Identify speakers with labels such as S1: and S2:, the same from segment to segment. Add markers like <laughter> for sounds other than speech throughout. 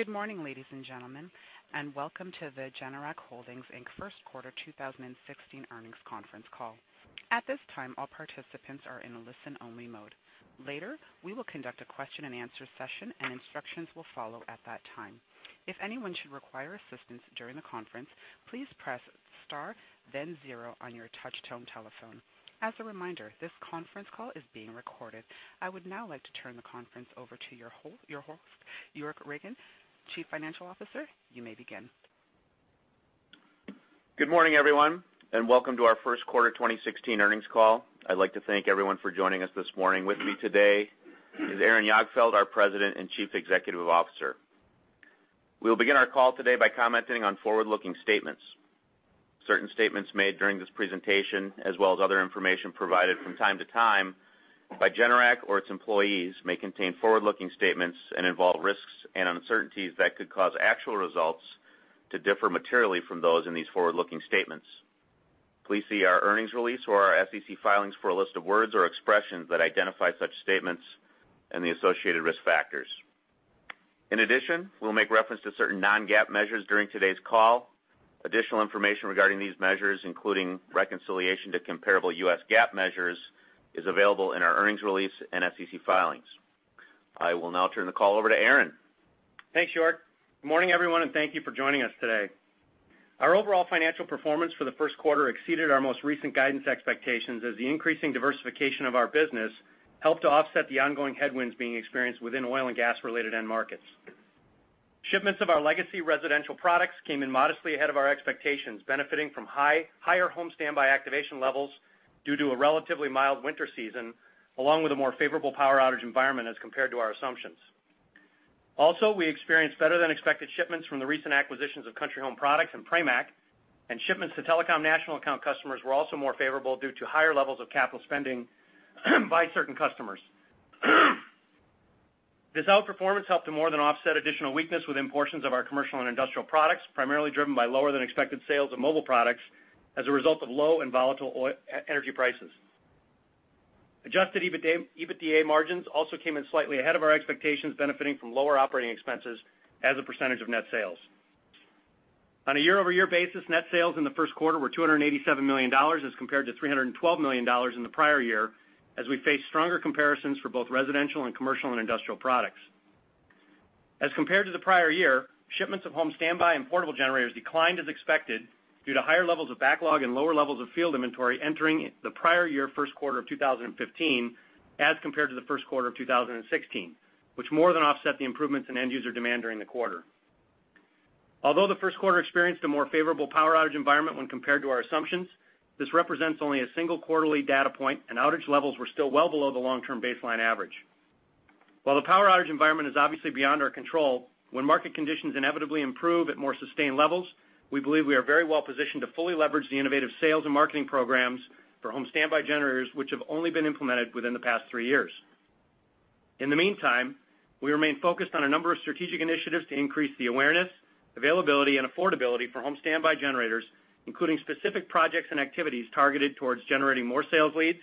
S1: Good morning, ladies and gentlemen, and welcome to the Generac Holdings Inc. first quarter 2016 earnings conference call. At this time, all participants are in a listen-only mode. Later, we will conduct a question-and-answer session and instructions will follow at that time. If anyone should require assistance during the conference, please press star then zero on your touchtone telephone. As a reminder, this conference call is being recorded. I would now like to turn the conference over to York Ragen, Chief Financial Officer. You may begin.
S2: Good morning, everyone, and welcome to our first quarter 2016 earnings call. I'd like to thank everyone for joining us this morning. With me today is Aaron Jagdfeld, our President and Chief Executive Officer. We will begin our call today by commenting on forward-looking statements. Certain statements made during this presentation, as well as other information provided from time to time by Generac or its employees, may contain forward-looking statements and involve risks and uncertainties that could cause actual results to differ materially from those in these forward-looking statements. Please see our earnings release or our SEC filings for a list of words or expressions that identify such statements and the associated risk factors. In addition, we'll make reference to certain non-GAAP measures during today's call. Additional information regarding these measures, including reconciliation to comparable US GAAP measures, is available in our earnings release and SEC filings. I will now turn the call over to Aaron.
S3: Thanks, York. Good morning, everyone, and thank you for joining us today. Our overall financial performance for the first quarter exceeded our most recent guidance expectations as the increasing diversification of our business helped to offset the ongoing headwinds being experienced within oil and gas related end markets. Shipments of our legacy residential products came in modestly ahead of our expectations, benefiting from higher home standby activation levels due to a relatively mild winter season, along with a more favorable power outage environment as compared to our assumptions. Also, we experienced better than expected shipments from the recent acquisitions of Country Home Products and Pramac, and shipments to Telecom National Account customers were also more favorable due to higher levels of capital spending by certain customers. This outperformance helped to more than offset additional weakness within portions of our commercial and industrial products, primarily driven by lower-than-expected sales of mobile products as a result of low and volatile oil energy prices. Adjusted EBITDA margins also came in slightly ahead of our expectations, benefiting from lower operating expenses as a percentage of net sales. On a year-over-year basis, net sales in the first quarter were $287 million as compared to $312 million in the prior year, as we face stronger comparisons for both residential and commercial and industrial products. As compared to the prior year, shipments of home standby and portable generators declined as expected, due to higher levels of backlog and lower levels of field inventory entering the prior year first quarter of 2015 as compared to the first quarter of 2016, which more than offset the improvements in end user demand during the quarter. Although the first quarter experienced a more favorable power outage environment when compared to our assumptions, this represents only a single quarterly data point, and outage levels were still well below the long-term baseline average. While the power outage environment is obviously beyond our control, when market conditions inevitably improve at more sustained levels, we believe we are very well positioned to fully leverage the innovative sales and marketing programs for home standby generators, which have only been implemented within the past three years. In the meantime, we remain focused on a number of strategic initiatives to increase the awareness, availability, and affordability for home standby generators, including specific projects and activities targeted towards generating more sales leads,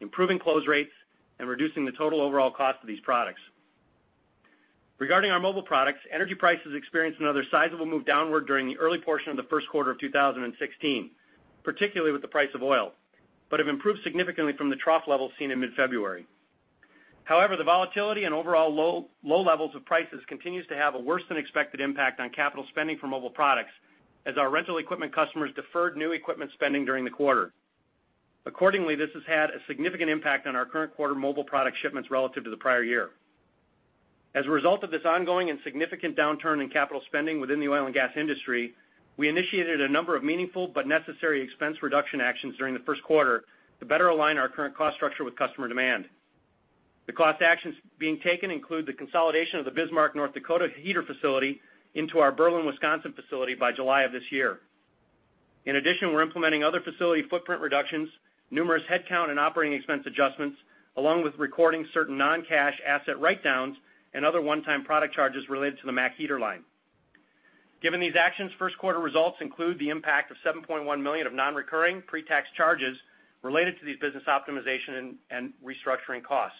S3: improving close rates, and reducing the total overall cost of these products. Regarding our mobile products, energy prices experienced another sizable move downward during the early portion of the first quarter of 2016, particularly with the price of oil, but have improved significantly from the trough level seen in mid-February. The volatility and overall low levels of prices continues to have a worse than expected impact on capital spending for mobile products, as our rental equipment customers deferred new equipment spending during the quarter. This has had a significant impact on our current quarter mobile product shipments relative to the prior year. As a result of this ongoing and significant downturn in capital spending within the oil and gas industry, we initiated a number of meaningful but necessary expense reduction actions during the first quarter to better align our current cost structure with customer demand. The cost actions being taken include the consolidation of the Bismarck, North Dakota heater facility into our Berlin, Wisconsin facility by July of this year. We're implementing other facility footprint reductions, numerous headcount and operating expense adjustments, along with recording certain non-cash asset write-downs and other one-time product charges related to the MAC heater line. Given these actions, first quarter results include the impact of $7.1 million of non-recurring pre-tax charges related to these business optimization and restructuring costs.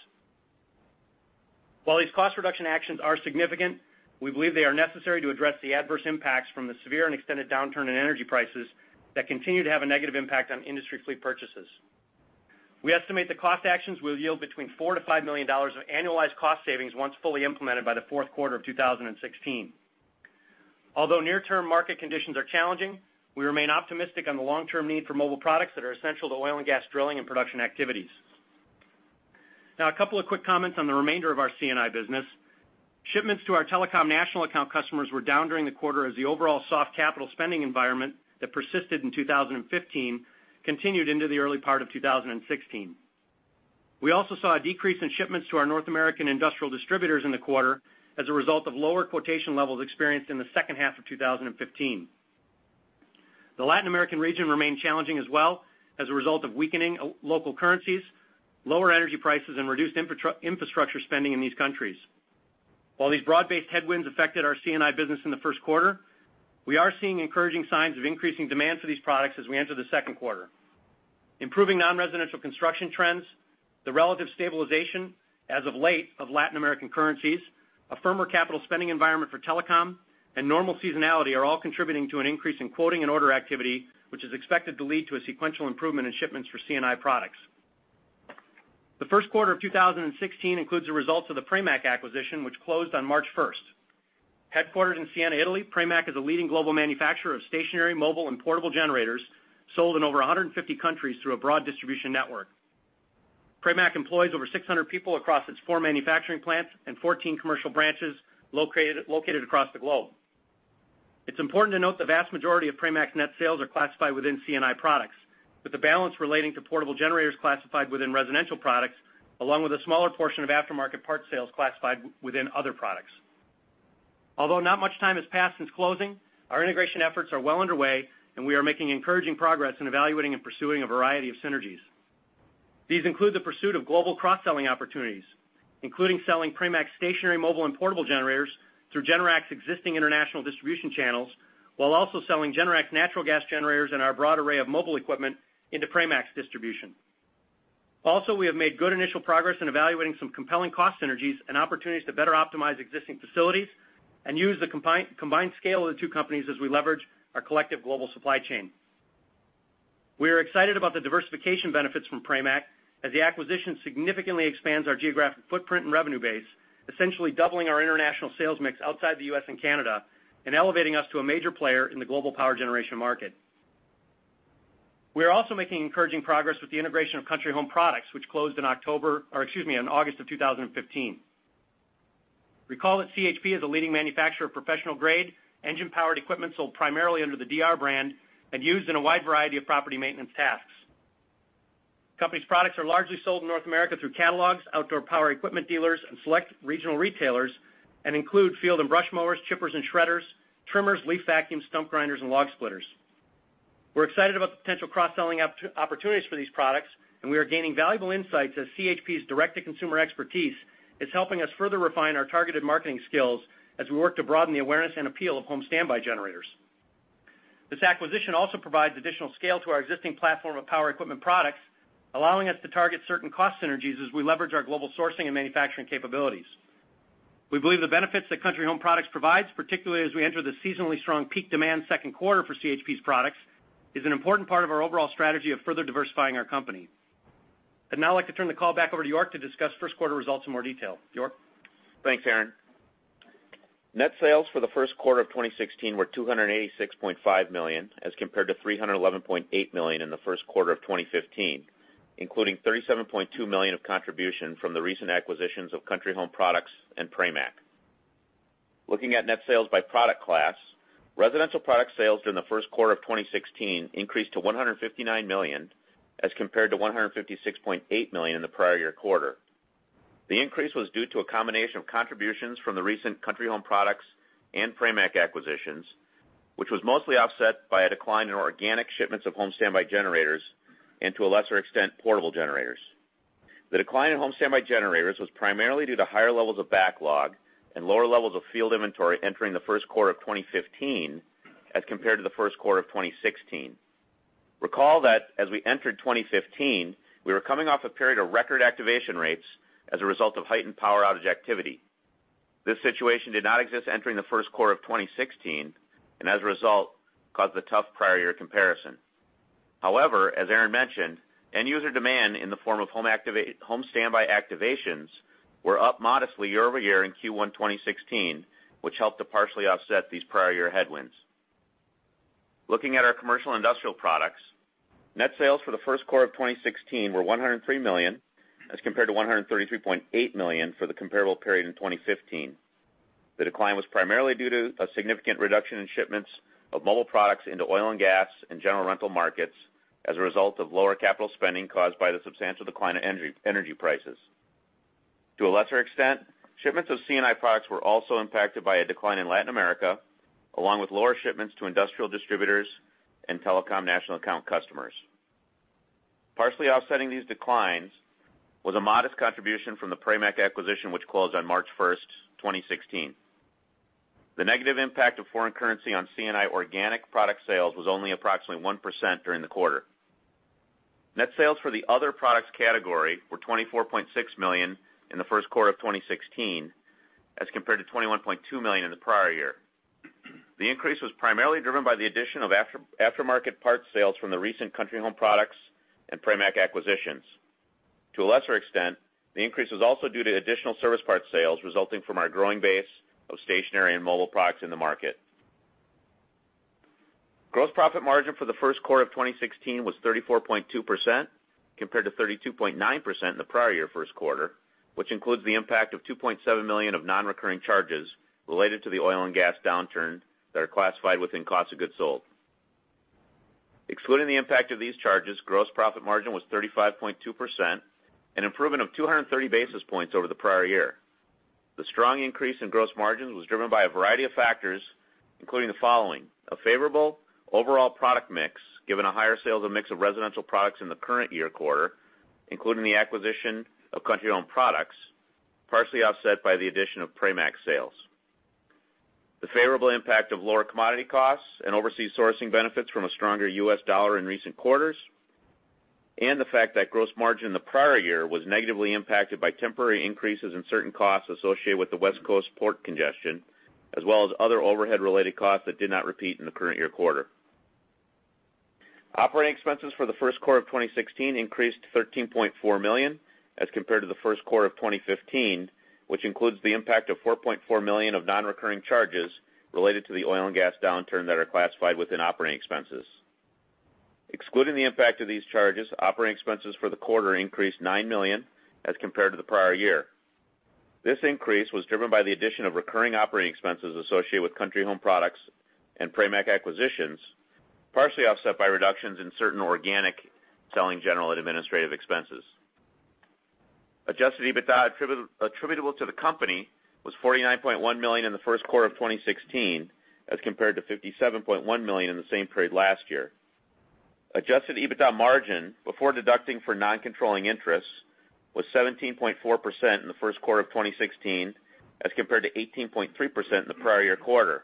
S3: While these cost reduction actions are significant, we believe they are necessary to address the adverse impacts from the severe and extended downturn in energy prices that continue to have a negative impact on industry fleet purchases. We estimate the cost actions will yield between $4 million-$5 million of annualized cost savings once fully implemented by the fourth quarter of 2016. Near-term market conditions are challenging, we remain optimistic on the long-term need for mobile products that are essential to oil and gas drilling and production activities. A couple of quick comments on the remainder of our C&I business. Shipments to our Telecom National Account customers were down during the quarter as the overall soft capital spending environment that persisted in 2015 continued into the early part of 2016. We also saw a decrease in shipments to our North American industrial distributors in the quarter as a result of lower quotation levels experienced in the second half of 2015. The Latin American region remained challenging as well as a result of weakening local currencies, lower energy prices, and reduced infrastructure spending in these countries. These broad-based headwinds affected our C&I business in the first quarter. We are seeing encouraging signs of increasing demand for these products as we enter the second quarter. Improving non-residential construction trends, the relative stabilization as of late of Latin American currencies, a firmer capital spending environment for telecom, and normal seasonality are all contributing to an increase in quoting and order activity, which is expected to lead to a sequential improvement in shipments for C&I products. The first quarter of 2016 includes the results of the Pramac acquisition, which closed on March 1st. Headquartered in Siena, Italy, Pramac is a leading global manufacturer of stationary, mobile, and portable generators sold in over 150 countries through a broad distribution network. Pramac employs over 600 people across its four manufacturing plants and 14 commercial branches located across the globe. It's important to note the vast majority of Pramac's net sales are classified within C&I products, with the balance relating to portable generators classified within residential products, along with a smaller portion of aftermarket parts sales classified within other products. Not much time has passed since closing, our integration efforts are well underway, and we are making encouraging progress in evaluating and pursuing a variety of synergies. These include the pursuit of global cross-selling opportunities, including selling Pramac stationary, mobile, and portable generators through Generac's existing international distribution channels, while also selling Generac's natural gas generators and our broad array of mobile equipment into Pramac's distribution. We have made good initial progress in evaluating some compelling cost synergies and opportunities to better optimize existing facilities and use the combined scale of the two companies as we leverage our collective global supply chain. We are excited about the diversification benefits from Pramac, as the acquisition significantly expands our geographic footprint and revenue base, essentially doubling our international sales mix outside the U.S. and Canada and elevating us to a major player in the global power generation market. We are also making encouraging progress with the integration of Country Home Products, which closed in August of 2015. Recall that CHP is a leading manufacturer of professional-grade engine-powered equipment sold primarily under the DR brand and used in a wide variety of property maintenance tasks. Company's products are largely sold in North America through catalogs, outdoor power equipment dealers, and select regional retailers and include field and brush mowers, chippers and shredders, trimmers, leaf vacuums, stump grinders, and log splitters. We're excited about the potential cross-selling opportunities for these products, and we are gaining valuable insights as CHP's direct-to-consumer expertise is helping us further refine our targeted marketing skills as we work to broaden the awareness and appeal of home standby generators. This acquisition also provides additional scale to our existing platform of power equipment products, allowing us to target certain cost synergies as we leverage our global sourcing and manufacturing capabilities. We believe the benefits that Country Home Products provides, particularly as we enter the seasonally strong peak demand second quarter for CHP's products, is an important part of our overall strategy of further diversifying our company. I'd now like to turn the call back over to York to discuss first quarter results in more detail. York?
S2: Thanks, Aaron. Net sales for the first quarter of 2016 were $286.5 million as compared to $311.8 million in the first quarter of 2015, including $37.2 million of contribution from the recent acquisitions of Country Home Products and Pramac. Looking at net sales by product class, residential product sales during the first quarter of 2016 increased to $159 million as compared to $156.8 million in the prior year quarter. The increase was due to a combination of contributions from the recent Country Home Products and Pramac acquisitions, which was mostly offset by a decline in organic shipments of home standby generators and, to a lesser extent, portable generators. The decline in home standby generators was primarily due to higher levels of backlog and lower levels of field inventory entering the first quarter of 2015 as compared to the first quarter of 2016. Recall that as we entered 2015, we were coming off a period of record activation rates as a result of heightened power outage activity. This situation did not exist entering the first quarter of 2016, and as a result, caused a tough prior year comparison. However, as Aaron mentioned, end user demand in the form of home standby activations were up modestly year-over-year in Q1 2016, which helped to partially offset these prior year headwinds. Looking at our commercial industrial products, net sales for the first quarter of 2016 were $103 million as compared to $133.8 million for the comparable period in 2015. The decline was primarily due to a significant reduction in shipments of mobile products into oil and gas and general rental markets as a result of lower capital spending caused by the substantial decline in energy prices. To a lesser extent, shipments of C&I products were also impacted by a decline in Latin America, along with lower shipments to industrial distributors and Telecom National Account customers. Partially offsetting these declines was a modest contribution from the Pramac acquisition, which closed on March 1st, 2016. The negative impact of foreign currency on C&I organic product sales was only approximately 1% during the quarter. Net sales for the other products category were $24.6 million in the first quarter of 2016 as compared to $21.2 million in the prior year. The increase was primarily driven by the addition of aftermarket parts sales from the recent Country Home Products and Pramac acquisitions. To a lesser extent, the increase was also due to additional service parts sales resulting from our growing base of stationary and mobile products in the market. Gross profit margin for the first quarter of 2016 was 34.2% compared to 32.9% in the prior year first quarter, which includes the impact of $2.7 million of non-recurring charges related to the oil and gas downturn that are classified within cost of goods sold. Excluding the impact of these charges, gross profit margin was 35.2%, an improvement of 230 basis points over the prior year. The strong increase in gross margins was driven by a variety of factors, including the following: A favorable overall product mix given a higher sale and mix of residential products in the current year quarter, including the acquisition of Country Home Products, partially offset by the addition of Pramac sales. The favorable impact of lower commodity costs and overseas sourcing benefits from a stronger U.S. dollar in recent quarters, and the fact that gross margin in the prior year was negatively impacted by temporary increases in certain costs associated with the West Coast port congestion, as well as other overhead-related costs that did not repeat in the current year quarter. Operating expenses for the first quarter of 2016 increased to $13.4 million as compared to the first quarter of 2015, which includes the impact of $4.4 million of non-recurring charges related to the oil and gas downturn that are classified within operating expenses. Excluding the impact of these charges, operating expenses for the quarter increased $9 million as compared to the prior year. This increase was driven by the addition of recurring operating expenses associated with Country Home Products and Pramac acquisitions, partially offset by reductions in certain organic selling general and administrative expenses. Adjusted EBITDA attributable to the company was $49.1 million in the first quarter of 2016, as compared to $57.1 million in the same period last year. Adjusted EBITDA margin, before deducting for non-controlling interests, was 17.4% in the first quarter of 2016, as compared to 18.3% in the prior year quarter.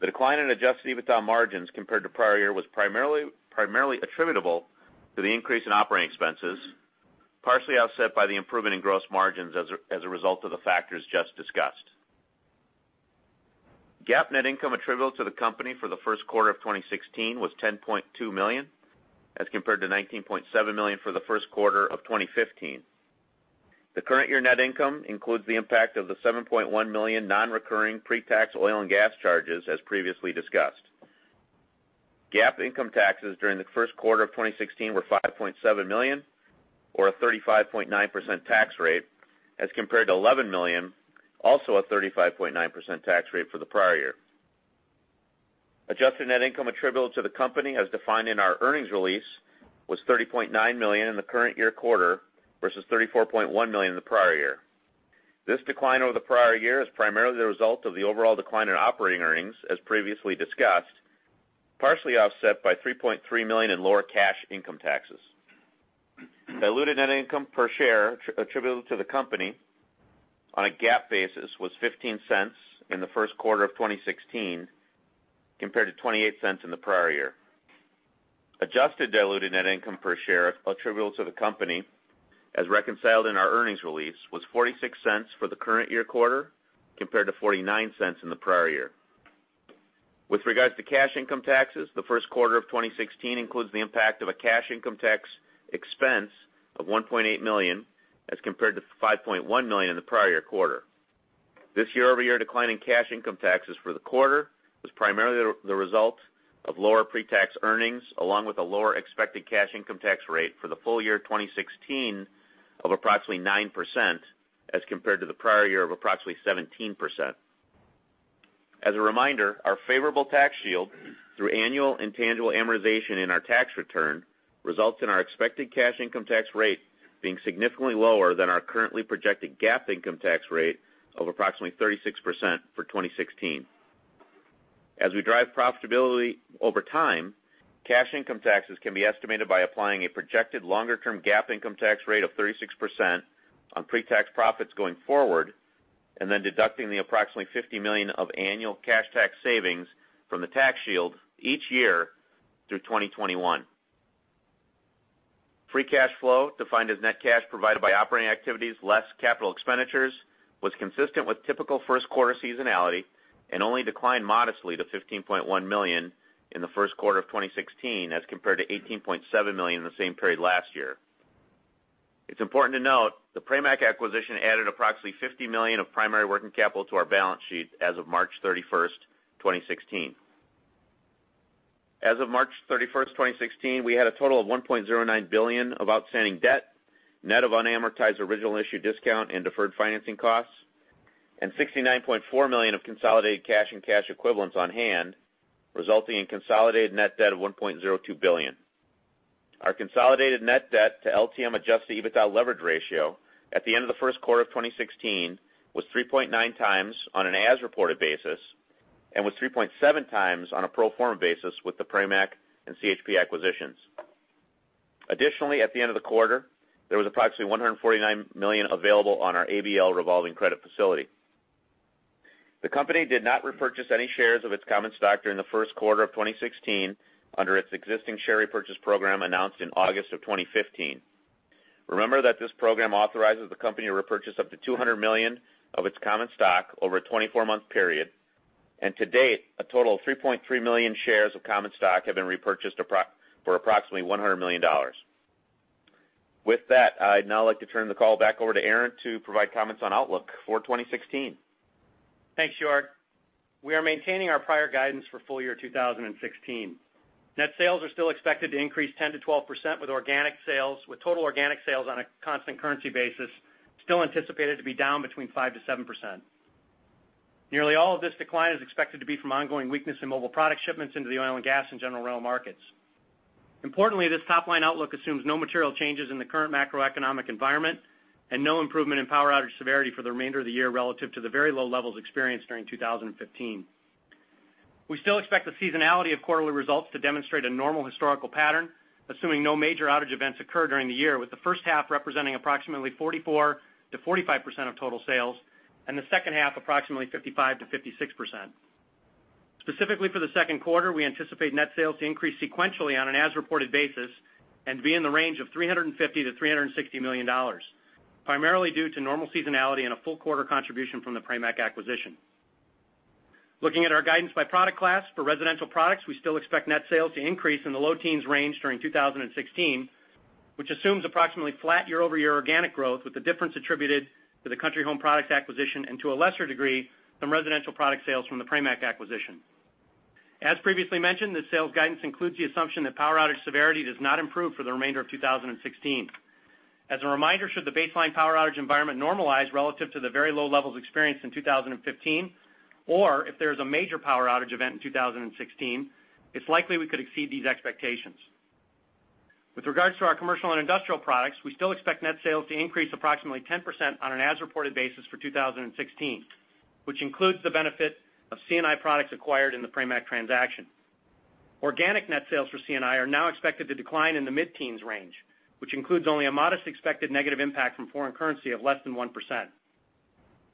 S2: The decline in adjusted EBITDA margins compared to prior year was primarily attributable to the increase in operating expenses, partially offset by the improvement in gross margins as a result of the factors just discussed. GAAP net income attributable to the company for the first quarter of 2016 was $10.2 million, as compared to $19.7 million for the first quarter of 2015. The current year net income includes the impact of the $7.1 million non-recurring pre-tax oil and gas charges, as previously discussed. GAAP income taxes during the first quarter of 2016 were $5.7 million, or a 35.9% tax rate, as compared to $11 million, also a 35.9% tax rate for the prior year. Adjusted net income attributable to the company, as defined in our earnings release, was $30.9 million in the current year quarter versus $34.1 million in the prior year. This decline over the prior year is primarily the result of the overall decline in operating earnings, as previously discussed, partially offset by $3.3 million in lower cash income taxes. Diluted net income per share attributable to the company on a GAAP basis was $0.15 in the first quarter of 2016, compared to $0.28 in the prior year. Adjusted diluted net income per share attributable to the company, as reconciled in our earnings release, was $0.46 for the current year quarter, compared to $0.49 in the prior year. With regards to cash income taxes, the first quarter of 2016 includes the impact of a cash income tax expense of $1.8 million, as compared to $5.1 million in the prior year quarter. This year-over-year decline in cash income taxes for the quarter was primarily the result of lower pre-tax earnings, along with a lower expected cash income tax rate for the full year 2016 of approximately 9%, as compared to the prior year of approximately 17%. As a reminder, our favorable tax shield through annual intangible amortization in our tax return results in our expected cash income tax rate being significantly lower than our currently projected GAAP income tax rate of approximately 36% for 2016. As we drive profitability over time, cash income taxes can be estimated by applying a projected longer-term GAAP income tax rate of 36% on pre-tax profits going forward and then deducting the approximately $50 million of annual cash tax savings from the tax shield each year through 2021. Free cash flow, defined as net cash provided by operating activities less capital expenditures, was consistent with typical first quarter seasonality and only declined modestly to $15.1 million in the first quarter of 2016 as compared to $18.7 million in the same period last year. It's important to note, the Pramac acquisition added approximately $50 million of primary working capital to our balance sheet as of March 31st, 2016. As of March 31st, 2016, we had a total of $1.09 billion of outstanding debt, net of unamortized original issue discount and deferred financing costs, and $69.4 million of consolidated cash and cash equivalents on hand, resulting in consolidated net debt of $1.02 billion. Our consolidated net debt to LTM adjusted EBITDA leverage ratio at the end of the first quarter of 2016 was 3.9x on an as-reported basis and was 3.7x on a pro forma basis with the Pramac and CHP acquisitions. Additionally, at the end of the quarter, there was approximately $149 million available on our ABL revolving credit facility. The company did not repurchase any shares of its common stock during the first quarter of 2016 under its existing share repurchase program announced in August of 2015. Remember that this program authorizes the company to repurchase up to $200 million of its common stock over a 24-month period. To date, a total of 3.3 million shares of common stock have been repurchased for approximately $100 million. With that, I'd now like to turn the call back over to Aaron to provide comments on outlook for 2016.
S3: Thanks, York. We are maintaining our prior guidance for full year 2016. Net sales are still expected to increase 10%-12% with total organic sales on a constant currency basis still anticipated to be down between 5%-7%. Nearly all of this decline is expected to be from ongoing weakness in mobile product shipments into the oil and gas and general rental markets. Importantly, this top-line outlook assumes no material changes in the current macroeconomic environment and no improvement in power outage severity for the remainder of the year relative to the very low levels experienced during 2015. We still expect the seasonality of quarterly results to demonstrate a normal historical pattern, assuming no major outage events occur during the year, with the first half representing approximately 44%-45% of total sales and the second half approximately 55%-56%. Specifically for the second quarter, we anticipate net sales to increase sequentially on an as-reported basis and be in the range of $350 million-$360 million, primarily due to normal seasonality and a full quarter contribution from the Pramac acquisition. Looking at our guidance by product class, for residential products, we still expect net sales to increase in the low teens range during 2016, which assumes approximately flat year-over-year organic growth, with the difference attributed to the Country Home Products acquisition and, to a lesser degree, some residential product sales from the Pramac acquisition. As previously mentioned, the sales guidance includes the assumption that power outage severity does not improve for the remainder of 2016. As a reminder, should the baseline power outage environment normalize relative to the very low levels experienced in 2015, or if there is a major power outage event in 2016, it's likely we could exceed these expectations. With regards to our commercial and industrial products, we still expect net sales to increase approximately 10% on an as-reported basis for 2016, which includes the benefit of C&I products acquired in the Pramac transaction. Organic net sales for C&I are now expected to decline in the mid-teens range, which includes only a modest expected negative impact from foreign currency of less than 1%.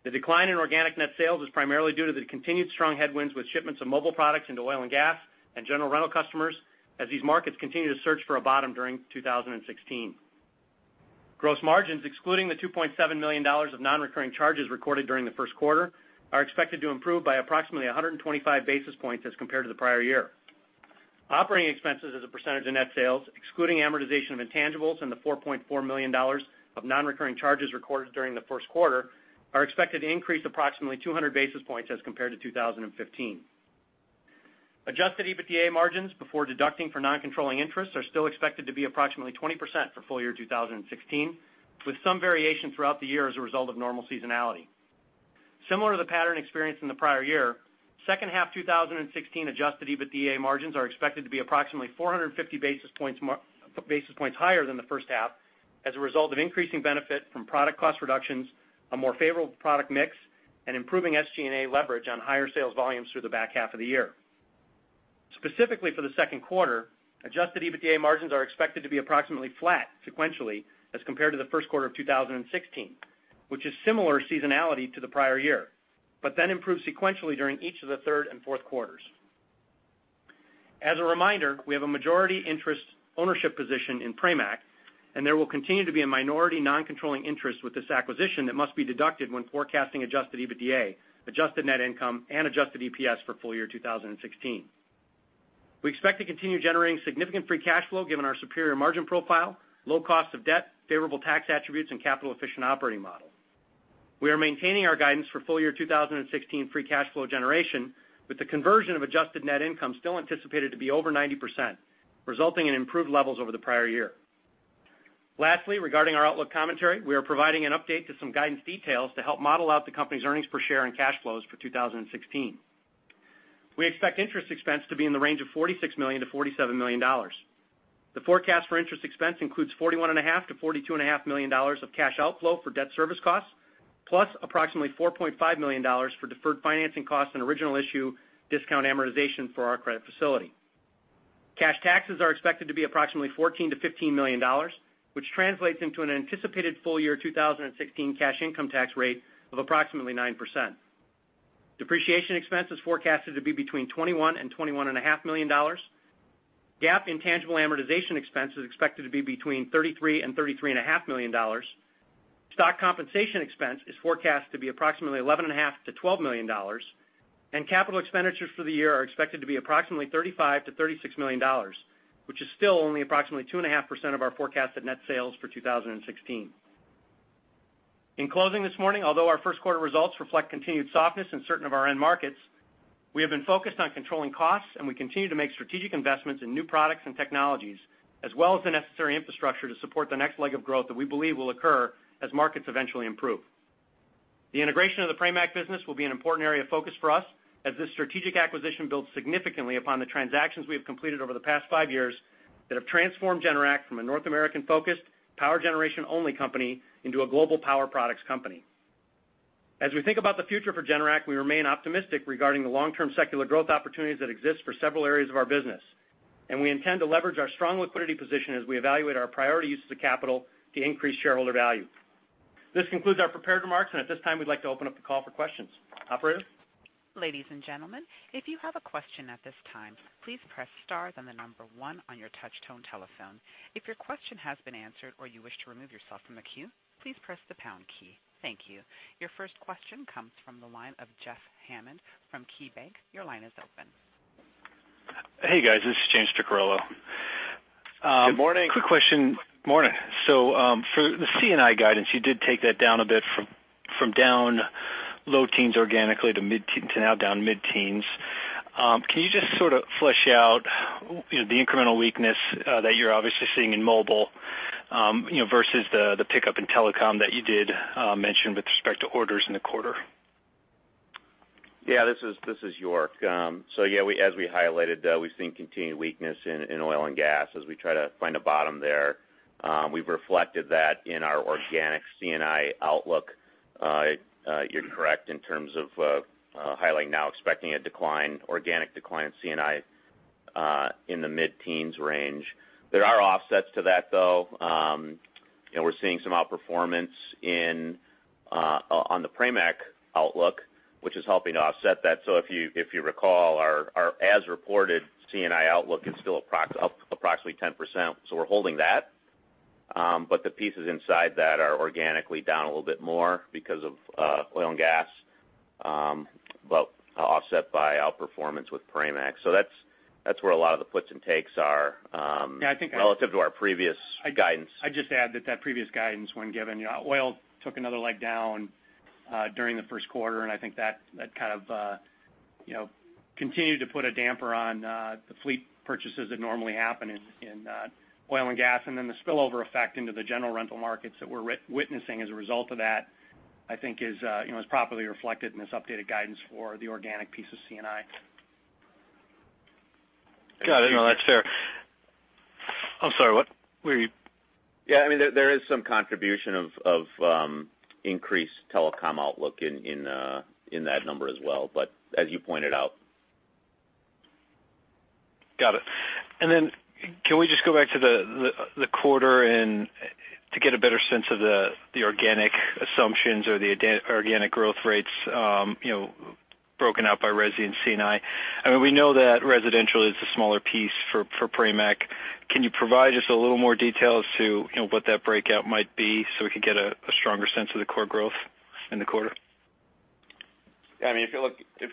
S3: The decline in organic net sales is primarily due to the continued strong headwinds with shipments of mobile products into oil and gas and general rental customers as these markets continue to search for a bottom during 2016. Gross margins, excluding the $2.7 million of non-recurring charges recorded during the first quarter, are expected to improve by approximately 125 basis points as compared to the prior year. Operating expenses as a percentage of net sales, excluding amortization of intangibles and the $4.4 million of non-recurring charges recorded during the first quarter, are expected to increase approximately 200 basis points as compared to 2015. Adjusted EBITDA margins before deducting for non-controlling interests are still expected to be approximately 20% for full year 2016, with some variation throughout the year as a result of normal seasonality. Similar to the pattern experienced in the prior year, second half 2016 adjusted EBITDA margins are expected to be approximately 450 basis points higher than the first half as a result of increasing benefit from product cost reductions, a more favorable product mix, and improving SG&A leverage on higher sales volumes through the back half of the year. Specifically for the second quarter, adjusted EBITDA margins are expected to be approximately flat sequentially as compared to the first quarter of 2016, which is similar seasonality to the prior year, but then improve sequentially during each of the third and fourth quarters. As a reminder, we have a majority interest ownership position in Pramac, and there will continue to be a minority non-controlling interest with this acquisition that must be deducted when forecasting adjusted EBITDA, adjusted net income, and adjusted EPS for full year 2016. We expect to continue generating significant free cash flow given our superior margin profile, low cost of debt, favorable tax attributes, and capital-efficient operating model. We are maintaining our guidance for full year 2016 free cash flow generation with the conversion of adjusted net income still anticipated to be over 90%, resulting in improved levels over the prior year. Lastly, regarding our outlook commentary, we are providing an update to some guidance details to help model out the company's earnings per share and cash flows for 2016. We expect interest expense to be in the range of $46 million-$47 million. The forecast for interest expense includes $41.5 million-$42.5 million of cash outflow for debt service costs, plus approximately $4.5 million for deferred financing costs and original issue discount amortization for our credit facility. Cash taxes are expected to be approximately $14 million-$15 million, which translates into an anticipated full year 2016 cash income tax rate of approximately 9%. Depreciation expense is forecasted to be between $21 million and $21.5 million. GAAP intangible amortization expense is expected to be between $33 million and $33.5 million. Stock compensation expense is forecast to be approximately $11.5 million-$12 million. Capital expenditures for the year are expected to be approximately $35 million-$36 million, which is still only approximately 2.5% of our forecasted net sales for 2016. In closing this morning, although our first quarter results reflect continued softness in certain of our end markets, we have been focused on controlling costs, and we continue to make strategic investments in new products and technologies, as well as the necessary infrastructure to support the next leg of growth that we believe will occur as markets eventually improve. The integration of the Pramac business will be an important area of focus for us as this strategic acquisition builds significantly upon the transactions we have completed over the past five years that have transformed Generac from a North American-focused power generation only company into a global power products company. As we think about the future for Generac, we remain optimistic regarding the long-term secular growth opportunities that exist for several areas of our business, and we intend to leverage our strong liquidity position as we evaluate our priority uses of capital to increase shareholder value. This concludes our prepared remarks, and at this time, we'd like to open up the call for questions. Operator?
S1: Ladies and gentlemen, if you have a question at this time, please press star then the number one on your touchtone telephone. If your question has been answered or you wish to remove yourself from the queue, please press the pound key. Thank you. Your first question comes from the line of Jeff Hammond from KeyBanc. Your line is open.
S4: Hey, guys. This is James Picariello.
S3: Good morning.
S4: Quick question. Morning. For the C&I guidance, you did take that down a bit from down low teens organically to now down mid-teens. Can you just sort of flesh out the incremental weakness that you're obviously seeing in mobile versus the pickup in telecom that you did mention with respect to orders in the quarter?
S2: Yeah. This is York. Yeah, as we highlighted, we've seen continued weakness in oil and gas as we try to find a bottom there. We've reflected that in our organic C&I outlook. You're correct in terms of highlighting now expecting an organic decline in C&I. In the mid-teens range. There are offsets to that, though. We're seeing some outperformance on the Pramac outlook, which is helping to offset that. If you recall, our as-reported C&I outlook is still up approximately 10%, we're holding that. The pieces inside that are organically down a little bit more because of oil and gas, but offset by outperformance with Pramac. That's where a lot of the puts and takes are.
S3: Yeah, I think. <crosstalk>
S2: Relative to our previous guidance.
S3: I'd just add that that previous guidance when given, oil took another leg down during the first quarter, and I think that kind of continued to put a damper on the fleet purchases that normally happen in oil and gas. Then the spillover effect into the general rental markets that we're witnessing as a result of that, I think is properly reflected in this updated guidance for the organic piece of C&I.
S4: Got it. No, that's fair. I'm sorry, what were you?
S2: Yeah. There is some contribution of increased telecom outlook in that number as well, but as you pointed out.
S4: Got it. Can we just go back to the quarter to get a better sense of the organic assumptions or the organic growth rates broken out by resi and C&I. We know that residential is a smaller piece for Pramac. Can you provide just a little more detail as to what that breakout might be so we could get a stronger sense of the core growth in the quarter?
S2: If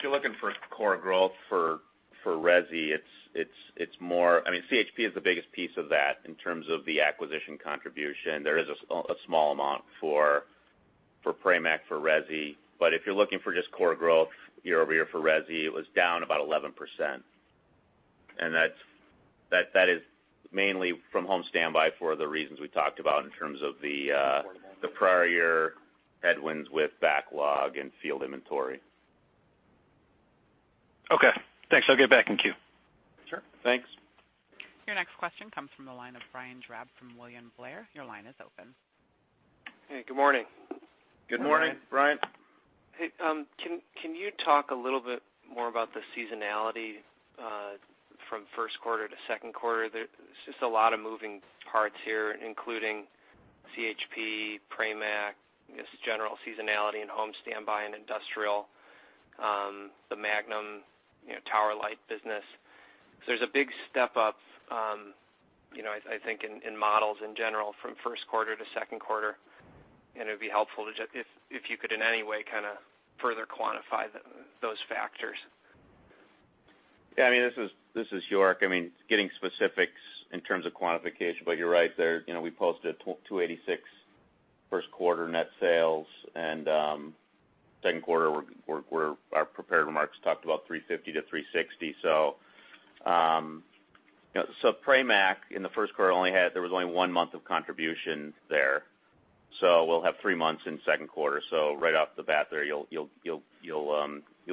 S2: you're looking for core growth for resi, CHP is the biggest piece of that in terms of the acquisition contribution. There is a small amount for Pramac for resi. If you're looking for just core growth year-over-year for resi, it was down about 11%. That is mainly from home standby for the reasons we talked about in terms of the prior year headwinds with backlog and field inventory.
S4: Okay, thanks. I'll get back in queue.
S2: Sure. Thanks.
S1: Your next question comes from the line of Brian Drab from William Blair. Your line is open.
S5: Hey, good morning.
S2: Good morning, Brian.
S5: Hey, can you talk a little bit more about the seasonality from first quarter to second quarter? There's just a lot of moving parts here, including CHP, Pramac, just general seasonality in home standby and industrial, the Magnum tower light business. There's a big step up, I think, in models in general from first quarter to second quarter, and it would be helpful if you could in any way kind of further quantify those factors.
S2: Yeah. This is York. Getting specifics in terms of quantification, you're right, we posted $286 million first quarter net sales, and second quarter our prepared remarks talked about $350 million-$360 million. Pramac in the first quarter, there was only one month of contribution there. We'll have three months in the second quarter. Right off the bat there, you'll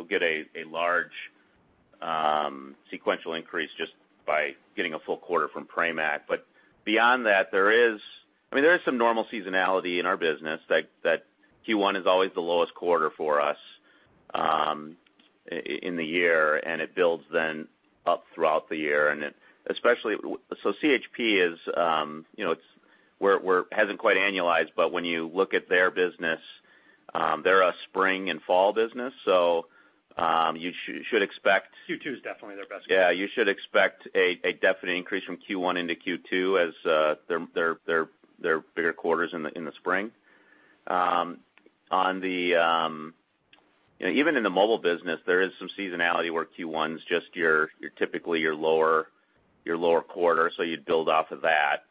S2: get a large sequential increase just by getting a full quarter from Pramac. Beyond that, there is some normal seasonality in our business that Q1 is always the lowest quarter for us in the year, and it builds then up throughout the year. CHP, it hasn't quite annualized, when you look at their business, they're a spring and fall business. You should expect. <crosstalk>
S3: Q2 is definitely their best quarter.
S2: Yeah, you should expect a definite increase from Q1 into Q2 as they're bigger quarters in the spring. Even in the mobile business, there is some seasonality where Q1 is just typically your lower quarter, you'd build off of that.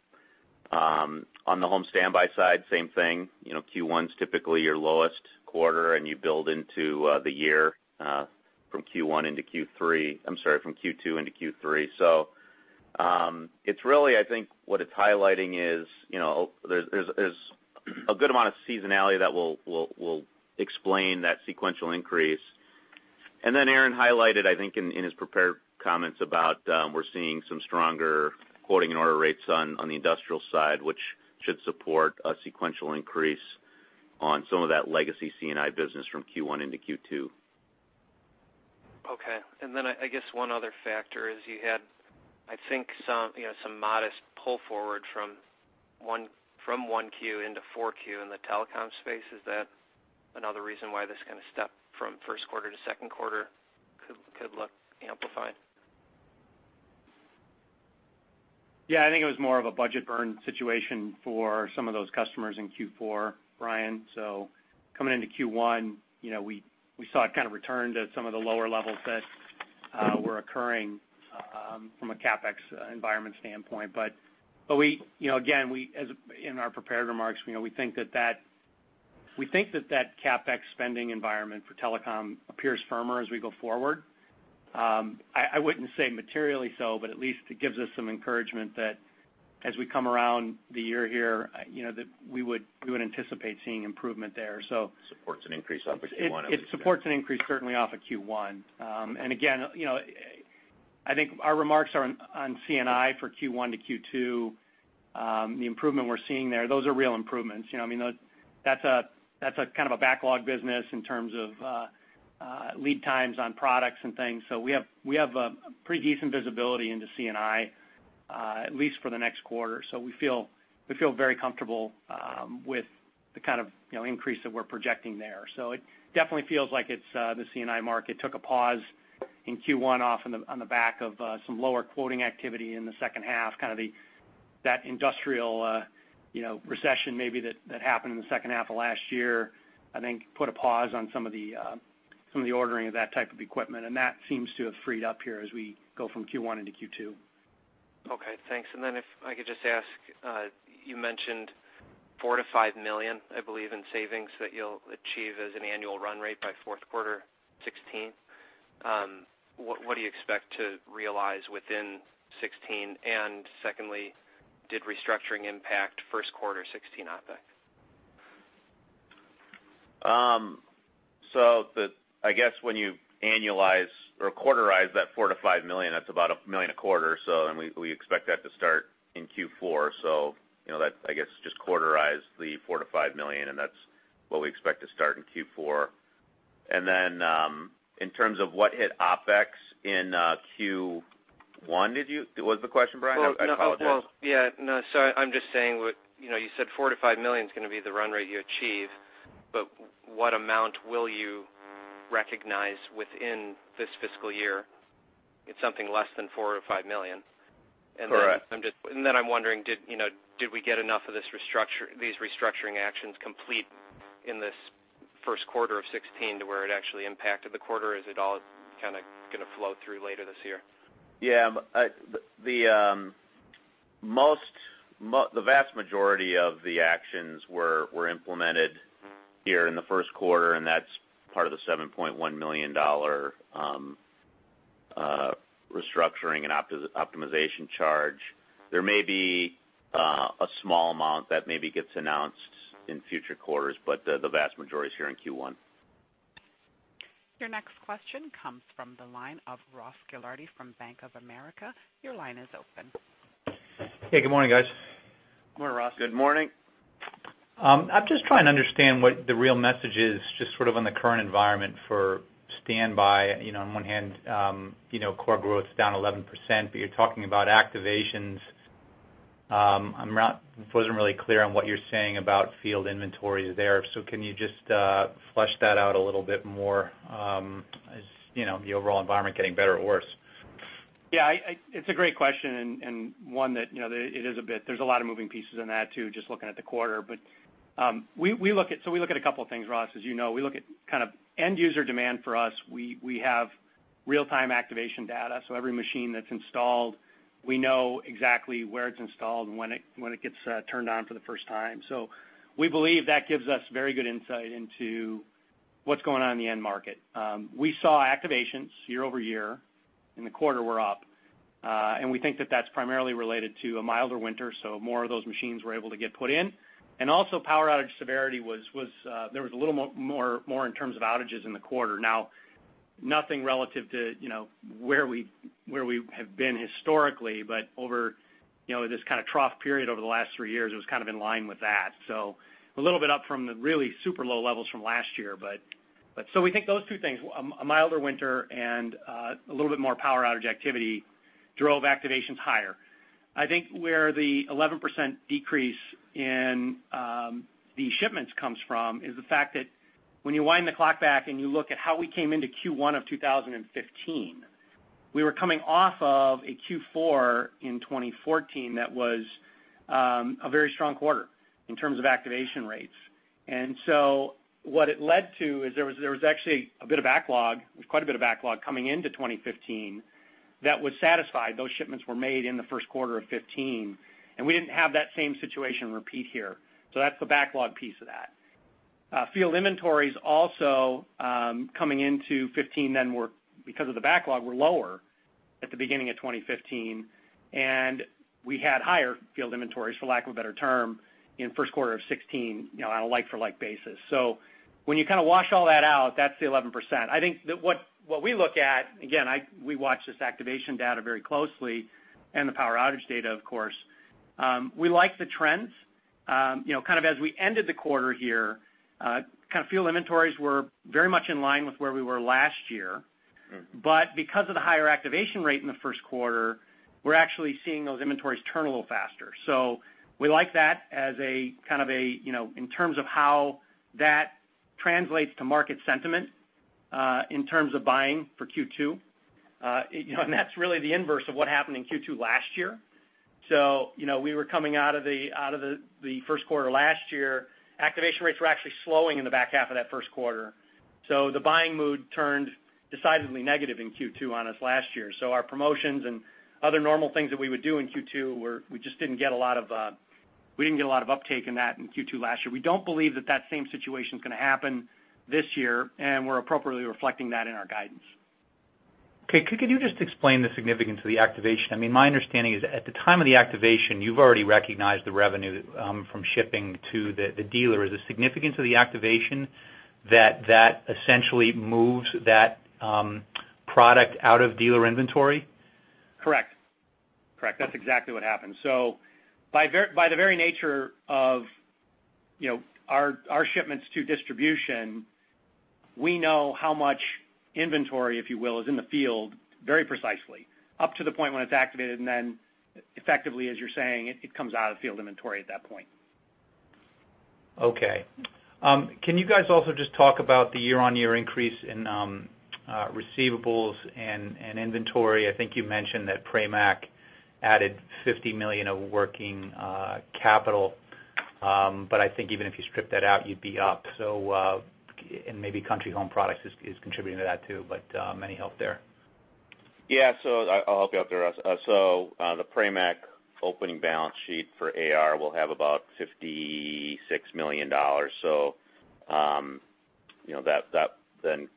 S2: On the home standby side, same thing. Q1 is typically your lowest quarter, and you build into the year from Q1 into Q3 I'm sorry, from Q2 into Q3. It's really, I think what it's highlighting is there's a good amount of seasonality that will explain that sequential increase. Aaron highlighted, I think in his prepared comments about we're seeing some stronger quoting and order rates on the industrial side, which should support a sequential increase on some of that legacy C&I business from Q1 into Q2.
S5: Okay. I guess one other factor is you had, I think some modest pull forward from 1Q into 4Q in the telecom space. Is that another reason why this kind of step from first quarter to second quarter could look amplified?
S3: I think it was more of a budget burn situation for some of those customers in Q4, Brian. Coming into Q1, we saw it kind of return to some of the lower levels that were occurring from a CapEx environment standpoint. Again, in our prepared remarks, we think that that CapEx spending environment for telecom appears firmer as we go forward. I wouldn't say materially so, but at least it gives us some encouragement that as we come around the year here, that we would anticipate seeing improvement there.
S2: Supports an increase off of Q1.
S3: It supports an increase certainly off of Q1. Again, I think our remarks on C&I for Q1 to Q2. The improvement we're seeing there, those are real improvements. That's a kind of a backlog business in terms of lead times on products and things. We have a pretty decent visibility into C&I, at least for the next quarter. We feel very comfortable with the kind of increase that we're projecting there. It definitely feels like the C&I market took a pause in Q1 off on the back of some lower quoting activity in the second half, kind of that industrial recession maybe that happened in the second half of last year, I think put a pause on some of the ordering of that type of equipment. That seems to have freed up here as we go from Q1 into Q2.
S5: Okay, thanks. Then if I could just ask, you mentioned $4 million-$5 million, I believe, in savings that you'll achieve as an annual run rate by fourth quarter 2016. What do you expect to realize within 2016? Secondly, did restructuring impact first quarter 2016 OpEx?
S2: I guess when you annualize or quarterize that $4 million-$5 million, that's about $1 million a quarter. We expect that to start in Q4. That, I guess, just quarterize the $4 million-$5 million, and that's what we expect to start in Q4. Then, in terms of what hit OpEx in Q1, was the question, Brian? I apologize.
S5: Well, yeah. No, sorry. I'm just saying, you said $4 million-$5 million is going to be the run rate you achieve, but what amount will you recognize within this fiscal year? It's something less than $4 million-$5 million.
S2: Correct.
S5: Then I'm wondering, did we get enough of these restructuring actions complete in this first quarter of 2016 to where it actually impacted the quarter? Is it all kind of going to flow through later this year?
S2: Yeah. The vast majority of the actions were implemented here in the first quarter, that's part of the $7.1 million restructuring and optimization charge. There may be a small amount that maybe gets announced in future quarters, the vast majority is here in Q1.
S1: Your next question comes from the line of Ross Gilardi from Bank of America. Your line is open.
S6: Hey, good morning, guys.
S3: Good morning, Ross.
S2: Good morning.
S6: I'm just trying to understand what the real message is, just sort of on the current environment for standby. On one hand, core growth's down 11%, but you're talking about activations. I wasn't really clear on what you're saying about field inventories there. Can you just flesh that out a little bit more? Is the overall environment getting better or worse?
S3: Yeah. There's a lot of moving pieces in that, too, just looking at the quarter. We look at a couple of things, Ross. As you know, we look at kind of end user demand for us. We have real-time activation data. Every machine that's installed, we know exactly where it's installed and when it gets turned on for the first time. We believe that gives us very good insight into what's going on in the end market. We saw activations year-over-year, in the quarter we're up. We think that that's primarily related to a milder winter, so more of those machines were able to get put in. Also, power outage severity, there was a little more in terms of outages in the quarter. Now, nothing relative to where we have been historically, but over this kind of trough period over the last three years, it was kind of in line with that. A little bit up from the really super low levels from last year. We think those two things, a milder winter and a little bit more power outage activity drove activations higher. I think where the 11% decrease in the shipments comes from is the fact that when you wind the clock back and you look at how we came into Q1 of 2015, we were coming off of a Q4 in 2014 that was a very strong quarter in terms of activation rates. What it led to is there was actually a bit of backlog. There was quite a bit of backlog coming into 2015 that was satisfied. Those shipments were made in the first quarter of 2015, we didn't have that same situation repeat here. That's the backlog piece of that. Field inventories also, coming into 2015 then were, because of the backlog, were lower at the beginning of 2015, and we had higher field inventories, for lack of a better term, in first quarter of 2016 on a like-for-like basis. When you kind of wash all that out, that's the 11%. I think that what we look at, again, we watch this activation data very closely and the power outage data, of course. We like the trends. Kind of as we ended the quarter here, field inventories were very much in line with where we were last year. Because of the higher activation rate in the first quarter, we're actually seeing those inventories turn a little faster. We like that in terms of how that translates to market sentiment, in terms of buying for Q2. That's really the inverse of what happened in Q2 last year. We were coming out of the first quarter last year, activation rates were actually slowing in the back half of that first quarter. Our promotions and other normal things that we would do in Q2, we didn't get a lot of uptake in that in Q2 last year. We don't believe that that same situation is going to happen this year, and we're appropriately reflecting that in our guidance.
S6: Okay. Could you just explain the significance of the activation? My understanding is at the time of the activation, you've already recognized the revenue from shipping to the dealer. Is the significance of the activation that that essentially moves that product out of dealer inventory?
S3: Correct. That's exactly what happened. By the very nature of our shipments to distribution, we know how much inventory, if you will, is in the field very precisely, up to the point when it's activated, and then effectively, as you're saying, it comes out of field inventory at that point.
S6: Okay. Can you guys also just talk about the year-on-year increase in receivables and inventory? I think you mentioned that Pramac added $50 million of working capital. I think even if you strip that out, you'd be up. And maybe Country Home Products is contributing to that too, but any help there?
S2: I'll help you out there, Ross. The Pramac opening balance sheet for AR will have about $56 million. That then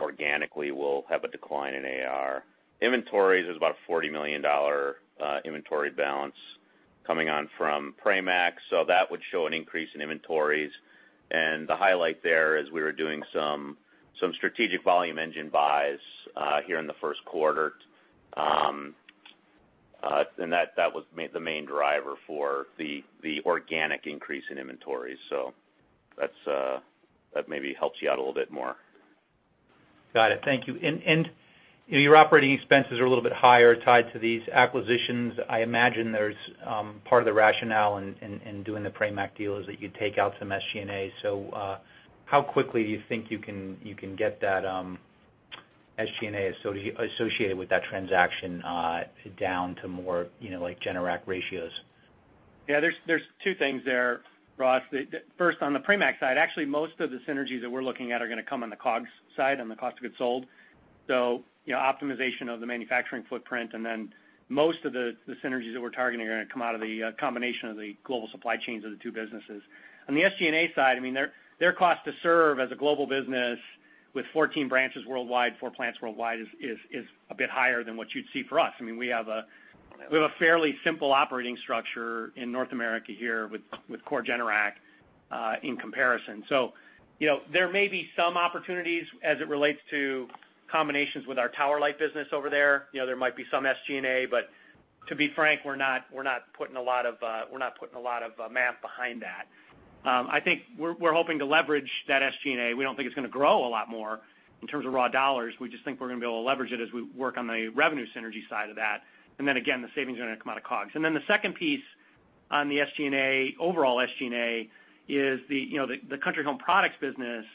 S2: organically will have a decline in AR. Inventories is about a $40 million inventory balance coming on from Pramac. That would show an increase in inventories. The highlight there is we were doing some strategic volume engine buys here in the first quarter. That was the main driver for the organic increase in inventories. That maybe helps you out a little bit more.
S6: Got it. Thank you. Your operating expenses are a little bit higher tied to these acquisitions. I imagine there's part of the rationale in doing the Pramac deal is that you take out some SG&A. How quickly do you think you can get that SG&A associated with that transaction down to more Generac ratios?
S3: There's two things there, Ross. First, on the Pramac side, actually, most of the synergies that we're looking at are going to come on the COGS side, on the cost of goods sold. Optimization of the manufacturing footprint, most of the synergies that we're targeting are going to come out of the combination of the global supply chains of the two businesses. On the SG&A side, their cost to serve as a global business with 14 branches worldwide, four plants worldwide, is a bit higher than what you'd see for us. We have a fairly simple operating structure in North America here with core Generac in comparison. There may be some opportunities as it relates to combinations with our tower light business over there. There might be some SG&A, to be frank, we're not putting a lot of math behind that. I think we're hoping to leverage that SG&A. We don't think it's going to grow a lot more in terms of raw dollars. We just think we're going to be able to leverage it as we work on the revenue synergy side of that. Again, the savings are going to come out of COGS. The second piece on the overall SG&A is the Country Home Products business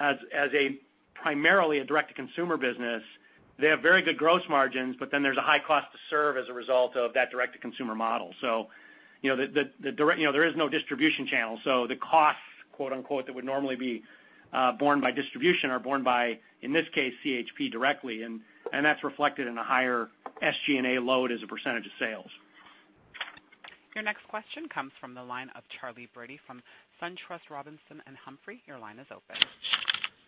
S3: as primarily a direct-to-consumer business. They have very good gross margins, there's a high cost to serve as a result of that direct-to-consumer model. There is no distribution channel. The costs, quote-unquote, that would normally be borne by distribution are borne by, in this case, CHP directly, that's reflected in a higher SG&A load as a percentage of sales.
S1: Your next question comes from the line of Charley Brady from SunTrust Robinson Humphrey. Your line is open.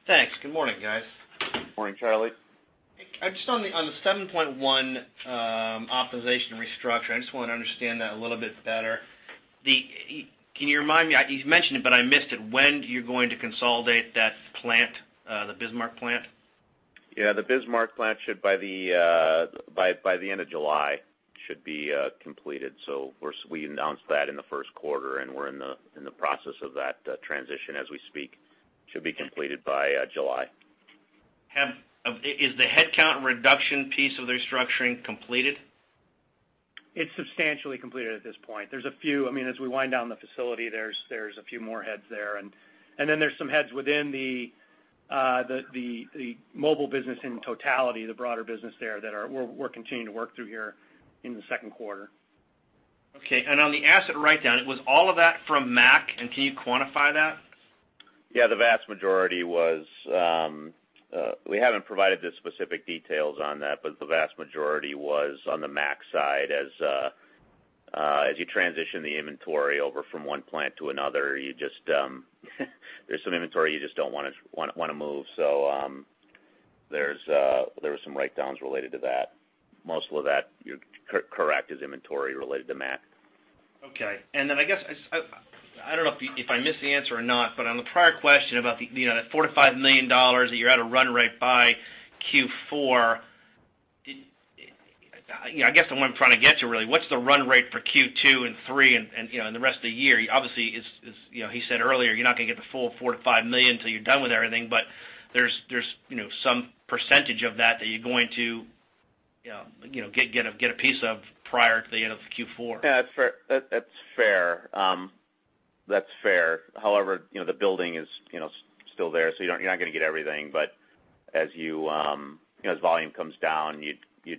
S7: Thanks. Good morning, guys.
S2: Morning, Charley.
S7: Just on the $7.1 million optimization restructure, I just wanted to understand that a little bit better. Can you remind me, you've mentioned it, but I missed it, when you're going to consolidate that plant, the Bismarck plant?
S2: Yeah, the Bismarck plant, by the end of July, should be completed. We announced that in the first quarter, we're in the process of that transition as we speak. Should be completed by July.
S7: Is the headcount reduction piece of the restructuring completed?
S3: It's substantially completed at this point. As we wind down the facility, there's a few more heads there. Then there's some heads within the mobile business in totality, the broader business there that we're continuing to work through here in the second quarter.
S7: Okay. On the asset write-down, was all of that from MAC, can you quantify that?
S2: We haven't provided the specific details on that. The vast majority was on the MAC side as you transition the inventory over from one plant to another, there's some inventory you just don't want to move. There's some write-downs related to that. Most of that, you're correct, is inventory related to MAC.
S7: I guess, I don't know if I missed the answer or not. On the prior question about the $4 million-$5 million that you're at a run rate by Q4, I guess the one I'm trying to get to, really, what's the run rate for Q2 and three and the rest of the year? Obviously, as he said earlier, you're not going to get the full $4 million-$5 million until you're done with everything. There's some percentage of that that you're going to get a piece of prior to the end of Q4.
S2: That's fair. The building is still there, so you're not going to get everything. As volume comes down, you're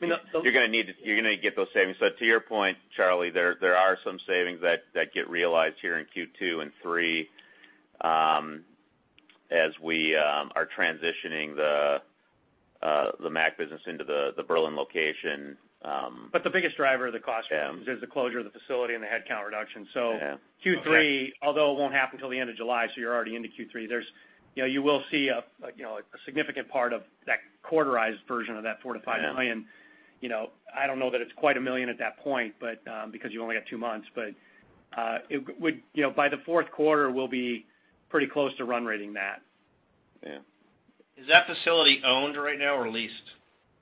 S2: going to get those savings. To your point, Charley, there are some savings that get realized here in Q2 and three as we are transitioning the MAC business into the Berlin location.
S3: The biggest driver of the cost reductions is the closure of the facility and the headcount reduction.
S2: Yeah.
S3: Q3, although it won't happen until the end of July, you're already into Q3, you will see a significant part of that quarterized version of that $4 million-$5 million. I don't know that it's quite $1 million at that point, because you only got two months. By the fourth quarter, we'll be pretty close to run rating that.
S2: Yeah.
S7: Is that facility owned right now or leased?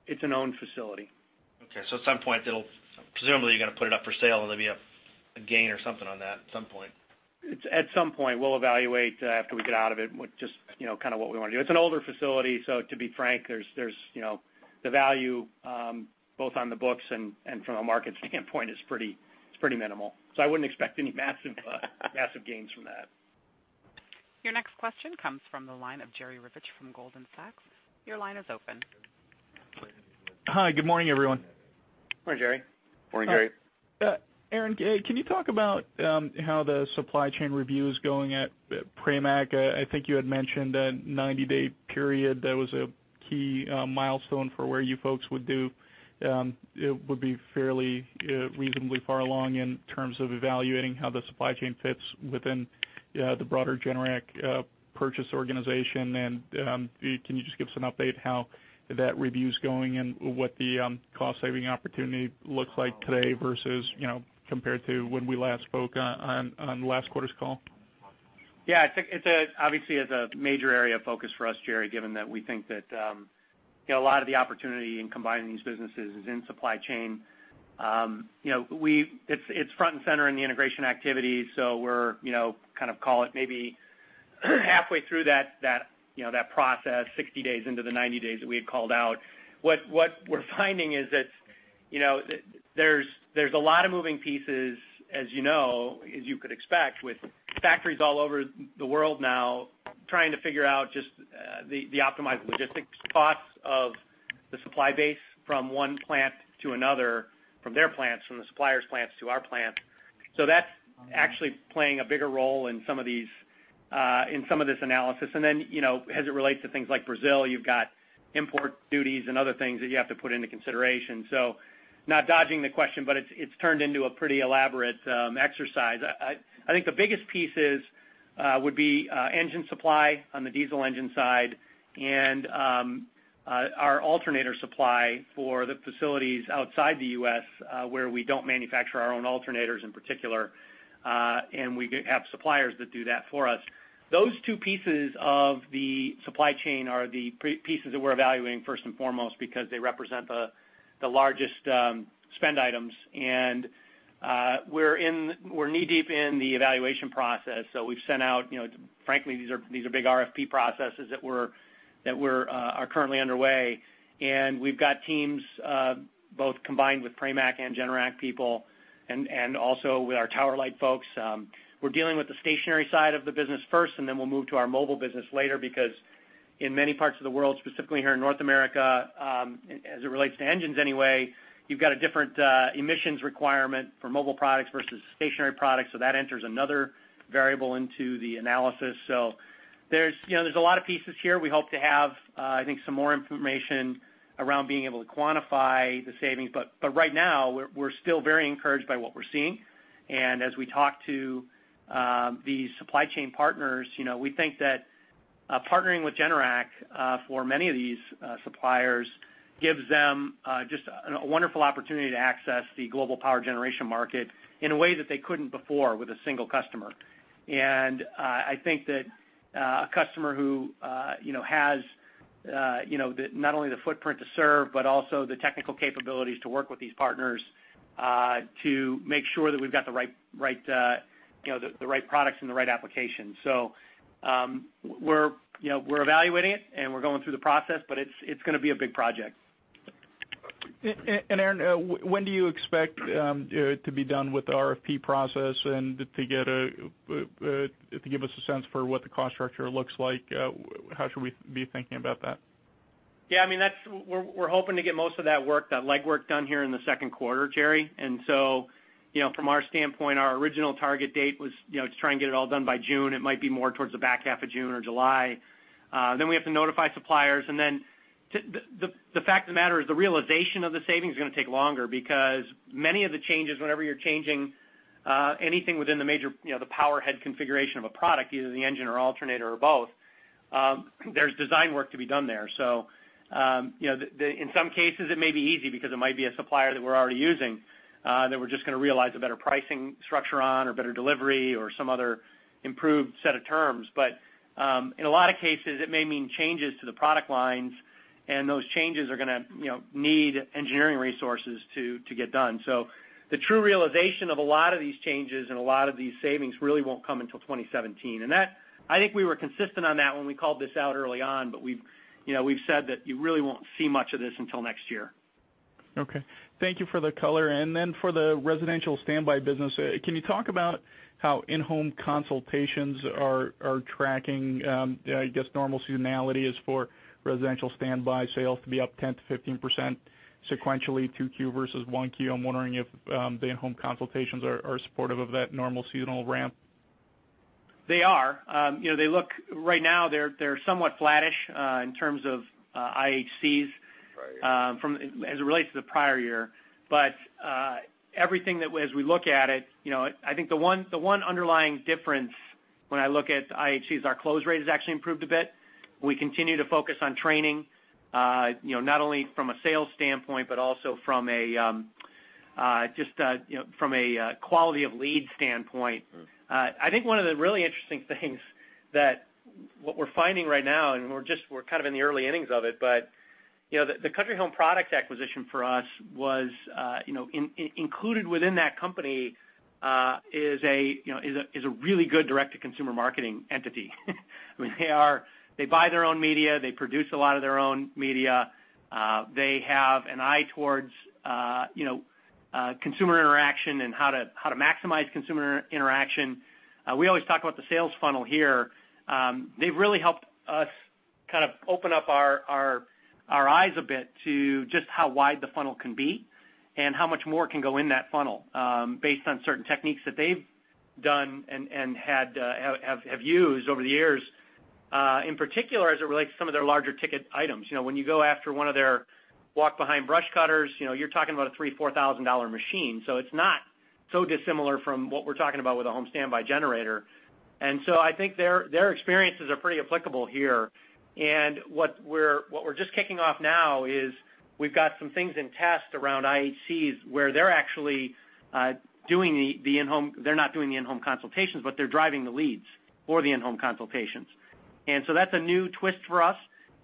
S3: It's an owned facility.
S7: Okay. At some point, presumably you're going to put it up for sale and there'll be a gain or something on that at some point.
S3: At some point, we'll evaluate after we get out of it, just kind of what we want to do. It's an older facility, so to be frank, the value, both on the books and from a market standpoint is pretty minimal. I wouldn't expect any massive gains from that.
S1: Your next question comes from the line of Jerry Revich from Goldman Sachs. Your line is open.
S8: Hi, good morning, everyone.
S3: Morning, Jerry.
S2: Morning, Jerry.
S8: Aaron, can you talk about how the supply chain review is going at Pramac? I think you had mentioned a 90-day period that was a key milestone for where you folks would be fairly reasonably far along in terms of evaluating how the supply chain fits within the broader Generac purchase organization. Can you just give us an update how that review's going and what the cost-saving opportunity looks like today versus compared to when we last spoke on last quarter's call?
S3: Yeah, I think obviously it's a major area of focus for us, Jerry, given that we think that a lot of the opportunity in combining these businesses is in supply chain. It's front and center in the integration activities, we're kind of call it maybe halfway through that process, 60 days into the 90 days that we had called out. What we're finding is that there's a lot of moving pieces as you know, as you could expect, with factories all over the world now trying to figure out just the optimized logistics costs of the supply base from one plant to another, from their plants, from the suppliers' plants to our plant. That's actually playing a bigger role in some of this analysis. Then, as it relates to things like Brazil, you've got import duties and other things that you have to put into consideration. Not dodging the question, but it's turned into a pretty elaborate exercise. I think the biggest pieces would be engine supply on the diesel engine side and our alternator supply for the facilities outside the U.S. where we don't manufacture our own alternators in particular, and we have suppliers that do that for us. Those two pieces of the supply chain are the pieces that we're evaluating first and foremost because they represent the largest spend items. We're knee-deep in the evaluation process. We've sent out, frankly, these are big RFP processes that are currently underway. We've got teams both combined with Pramac and Generac people and also with our tower light folks. We're dealing with the stationary side of the business first, and then we'll move to our mobile business later, because in many parts of the world, specifically here in North America, as it relates to engines anyway, you've got a different emissions requirement for mobile products versus stationary products. That enters another variable into the analysis. There's a lot of pieces here. We hope to have I think some more information around being able to quantify the savings. Right now, we're still very encouraged by what we're seeing. As we talk to the supply chain partners, we think that partnering with Generac for many of these suppliers gives them just a wonderful opportunity to access the global power generation market in a way that they couldn't before with a single customer. I think that a customer who has not only the footprint to serve, but also the technical capabilities to work with these partners to make sure that we've got the right products and the right applications. We're evaluating it and we're going through the process, but it's going to be a big project.
S8: Aaron, when do you expect to be done with the RFP process and to give us a sense for what the cost structure looks like? How should we be thinking about that?
S3: We're hoping to get most of that legwork done here in the second quarter, Jerry. From our standpoint, our original target date was to try and get it all done by June. It might be more towards the back half of June or July. We have to notify suppliers. The fact of the matter is the realization of the savings is going to take longer because many of the changes, whenever you're changing anything within the major power head configuration of a product, either the engine or alternator or both, there's design work to be done there. In some cases it may be easy because it might be a supplier that we're already using that we're just going to realize a better pricing structure on or better delivery or some other improved set of terms. In a lot of cases, it may mean changes to the product lines, those changes are going to need engineering resources to get done. The true realization of a lot of these changes and a lot of these savings really won't come until 2017. I think we were consistent on that when we called this out early on, we've said that you really won't see much of this until next year.
S8: Okay. Thank you for the color. For the residential standby business, can you talk about how in-home consultations are tracking? I guess normal seasonality is for residential standby sales to be up 10%-15% sequentially 2Q versus 1Q. I'm wondering if the in-home consultations are supportive of that normal seasonal ramp.
S3: They are. Right now they're somewhat flattish in terms of IHCs as it relates to the prior year. Everything as we look at it, I think the one underlying difference. When I look at IHCs, our close rate has actually improved a bit. We continue to focus on training, not only from a sales standpoint, but also from a quality of lead standpoint. I think one of the really interesting things that we're finding right now, we're kind of in the early innings of it, the Country Home Products acquisition for us was, included within that company is a really good direct-to-consumer marketing entity. They buy their own media. They produce a lot of their own media. They have an eye towards consumer interaction and how to maximize consumer interaction. We always talk about the sales funnel here. They've really helped us open up our eyes a bit to just how wide the funnel can be and how much more can go in that funnel based on certain techniques that they've done and have used over the years, in particular, as it relates to some of their larger ticket items. When you go after one of their walk-behind brush cutters, you're talking about a $3,000, $4,000 machine. It's not so dissimilar from what we're talking about with a home standby generator. I think their experiences are pretty applicable here. What we're just kicking off now is we've got some things in test around IHCs where they're not doing the in-home consultations, but they're driving the leads for the in-home consultations. That's a new twist for us,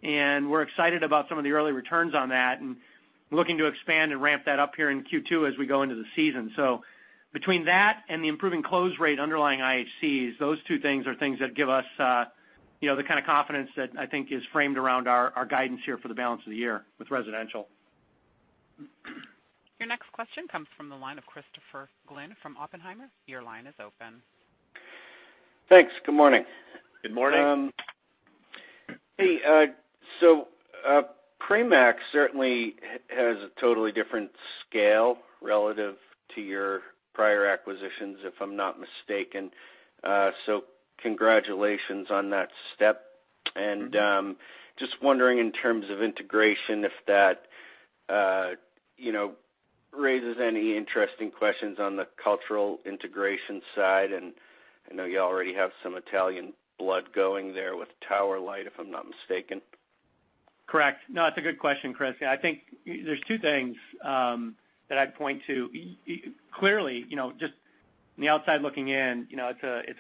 S3: and we're excited about some of the early returns on that and looking to expand and ramp that up here in Q2 as we go into the season. Between that and the improving close rate underlying IHCs, those two things are things that give us the kind of confidence that I think is framed around our guidance here for the balance of the year with residential.
S1: Your next question comes from the line of Christopher Glynn from Oppenheimer. Your line is open.
S9: Thanks. Good morning.
S2: Good morning.
S9: Hey, Pramac certainly has a totally different scale relative to your prior acquisitions, if I'm not mistaken. Congratulations on that step. Just wondering in terms of integration, if that raises any interesting questions on the cultural integration side. I know you already have some Italian blood going there with Tower Light, if I'm not mistaken.
S3: Correct. It's a good question, Chris. I think there's two things that I'd point to. Clearly, just on the outside looking in, it's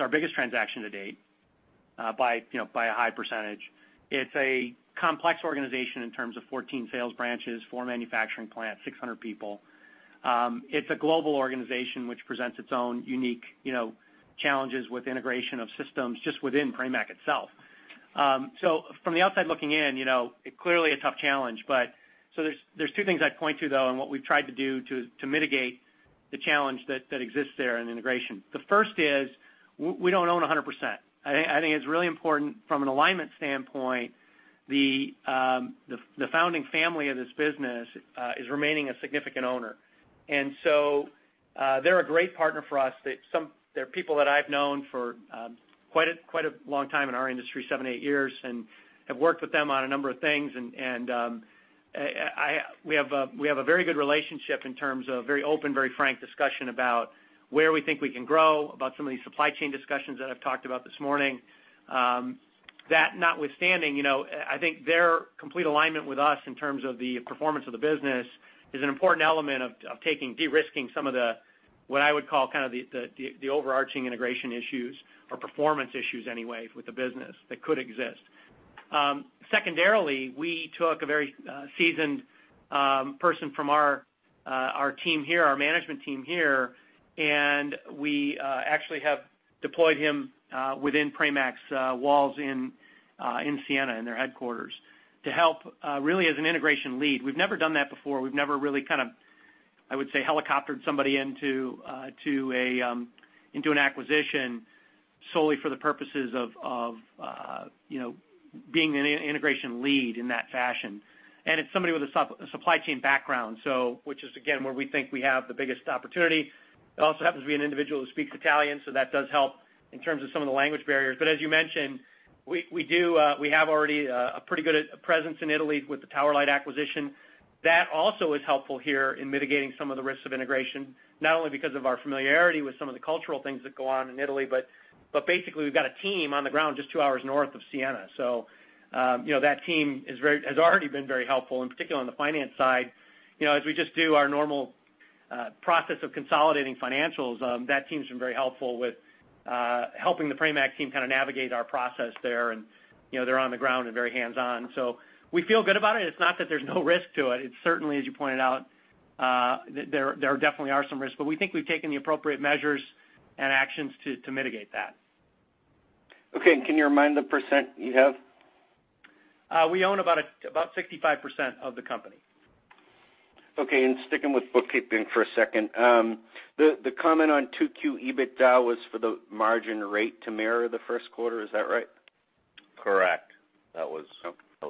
S3: our biggest transaction to date by a high percentage. It's a complex organization in terms of 14 sales branches, four manufacturing plants, 600 people. It's a global organization, which presents its own unique challenges with integration of systems just within Pramac itself. From the outside looking in, clearly a tough challenge. There's two things I'd point to, though, and what we've tried to do to mitigate the challenge that exists there in integration. The first is we don't own 100%. I think it's really important from an alignment standpoint, the founding family of this business is remaining a significant owner. They're a great partner for us. They're people that I've known for quite a long time in our industry, seven, eight years, have worked with them on a number of things. We have a very good relationship in terms of very open, very frank discussion about where we think we can grow, about some of these supply chain discussions that I've talked about this morning. That notwithstanding, I think their complete alignment with us in terms of the performance of the business is an important element of de-risking some of what I would call the overarching integration issues or performance issues anyway with the business that could exist. Secondarily, we took a very seasoned person from our team here, our management team here, and we actually have deployed him within Pramac's walls in Siena, in their headquarters, to help really as an integration lead. We've never done that before. We've never really, I would say, helicoptered somebody into an acquisition solely for the purposes of being an integration lead in that fashion. It's somebody with a supply chain background, which is again, where we think we have the biggest opportunity. It also happens to be an individual who speaks Italian, so that does help in terms of some of the language barriers. As you mentioned, we have already a pretty good presence in Italy with the Tower Light acquisition. That also is helpful here in mitigating some of the risks of integration, not only because of our familiarity with some of the cultural things that go on in Italy, but basically, we've got a team on the ground just two hours north of Siena. That team has already been very helpful, in particular on the finance side. We just do our normal process of consolidating financials, that team's been very helpful with helping the Pramac team navigate our process there, and they're on the ground and very hands-on. We feel good about it. It's not that there's no risk to it. It's certainly, as you pointed out, there definitely are some risks, we think we've taken the appropriate measures and actions to mitigate that.
S9: Okay, can you remind the percent you have?
S3: We own about 65% of the company.
S9: Okay, sticking with bookkeeping for a second. The comment on 2Q EBITDA was for the margin rate to mirror the first quarter. Is that right?
S2: Correct. That was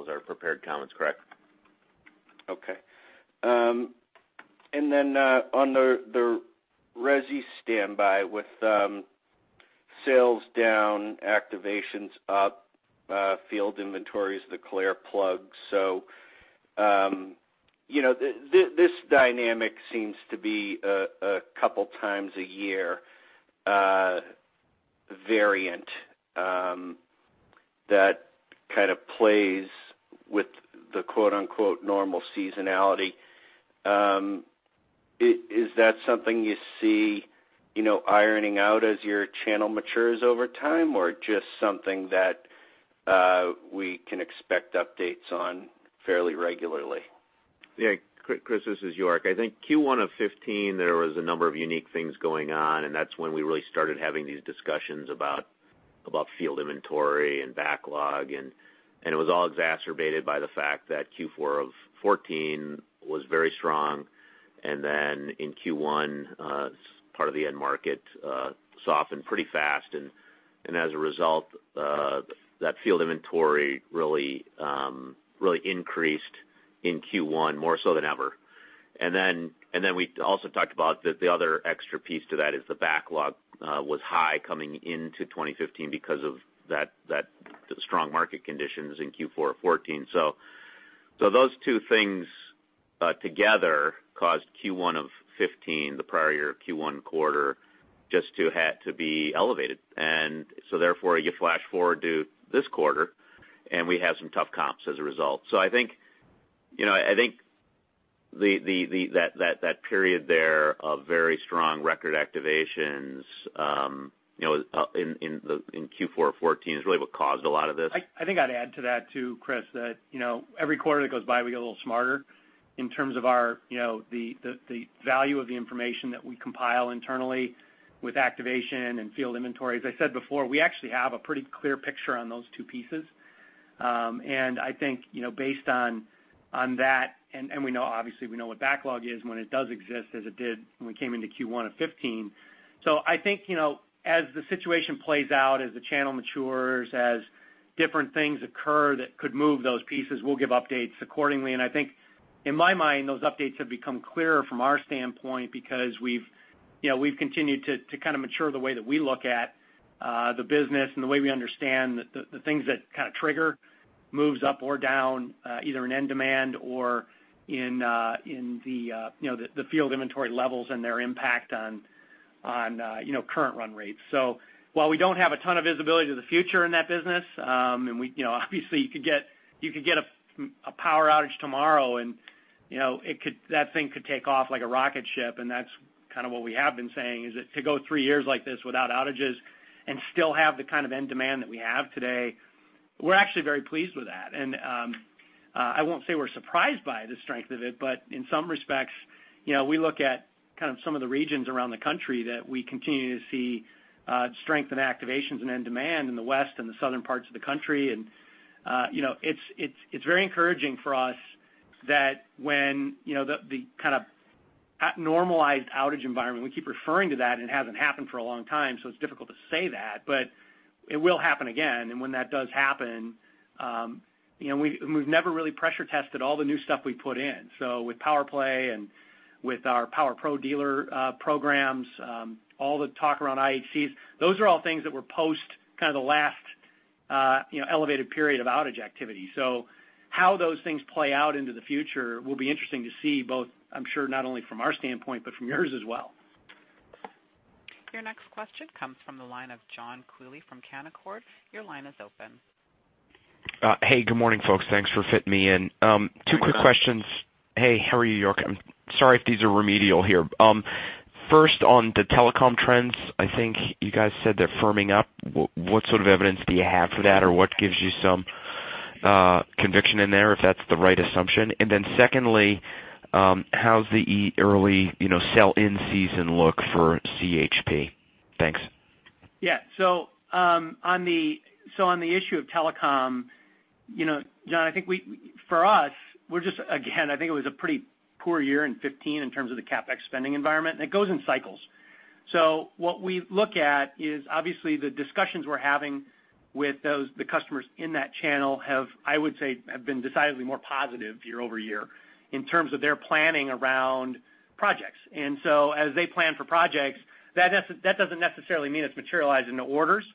S2: our prepared comments, correct.
S9: On the resi standby with sales down, activations up, field inventories, the clear plug. This dynamic seems to be a couple times a year variant that kind of plays with the "normal seasonality." Is that something you see ironing out as your channel matures over time, or just something that we can expect updates on fairly regularly?
S2: Chris, this is York. I think Q1 of 2015, there was a number of unique things going on, that's when we really started having these discussions about field inventory and backlog, it was all exacerbated by the fact that Q4 of 2014 was very strong. In Q1, part of the end market softened pretty fast, as a result, that field inventory really increased in Q1, more so than ever. We also talked about the other extra piece to that is the backlog was high coming into 2015 because of the strong market conditions in Q4 of 2014. Those two things together caused Q1 of 2015, the prior year Q1 quarter, just to be elevated. Therefore, you flash forward to this quarter, we have some tough comps as a result. I think that period there of very strong record activations in Q4 of 2014 is really what caused a lot of this.
S3: I think I'd add to that too, Chris, that every quarter that goes by, we get a little smarter in terms of the value of the information that we compile internally with activation and field inventory. As I said before, we actually have a pretty clear picture on those two pieces. I think, based on that, and obviously, we know what backlog is when it does exist as it did when we came into Q1 of 2015. I think, as the situation plays out, as the channel matures, as different things occur that could move those pieces, we'll give updates accordingly. I think, in my mind, those updates have become clearer from our standpoint because we've continued to kind of mature the way that we look at the business and the way we understand the things that kind of trigger moves up or down, either in end demand or in the field inventory levels and their impact on current run rates. While we don't have a ton of visibility to the future in that business, obviously you could get a power outage tomorrow and that thing could take off like a rocket ship, and that's kind of what we have been saying, is that to go three years like this without outages and still have the kind of end demand that we have today, we're actually very pleased with that. I won't say we're surprised by the strength of it, but in some respects, we look at some of the regions around the country that we continue to see strength in activations and end demand in the West and the Southern parts of the country. It's very encouraging for us that when the kind of normalized outage environment, we keep referring to that, and it hasn't happened for a long time, so it's difficult to say that, but it will happen again. When that does happen, we've never really pressure tested all the new stuff we put in. With PowerPlay and with our PowerPro dealer programs, all the talk around IHCs, those are all things that were post the last elevated period of outage activity. How those things play out into the future will be interesting to see both, I'm sure, not only from our standpoint but from yours as well.
S1: Your next question comes from the line of John Quealy from Canaccord. Your line is open.
S10: Hey, good morning, folks. Thanks for fitting me in. Two quick questions.
S2: How are you doing?
S10: Hey, how are you, York? I'm sorry if these are remedial here. First, on the telecom trends, I think you guys said they're firming up. What sort of evidence do you have for that, or what gives you some conviction in there, if that's the right assumption? Secondly, how's the early sell-in season look for CHP? Thanks.
S3: Yeah. On the issue of telecom, John, I think for us, again, I think it was a pretty poor year in 2015 in terms of the CapEx spending environment, and it goes in cycles. What we look at is obviously the discussions we're having with the customers in that channel have, I would say, have been decidedly more positive year-over-year in terms of their planning around projects. As they plan for projects, that doesn't necessarily mean it's materialized into orders,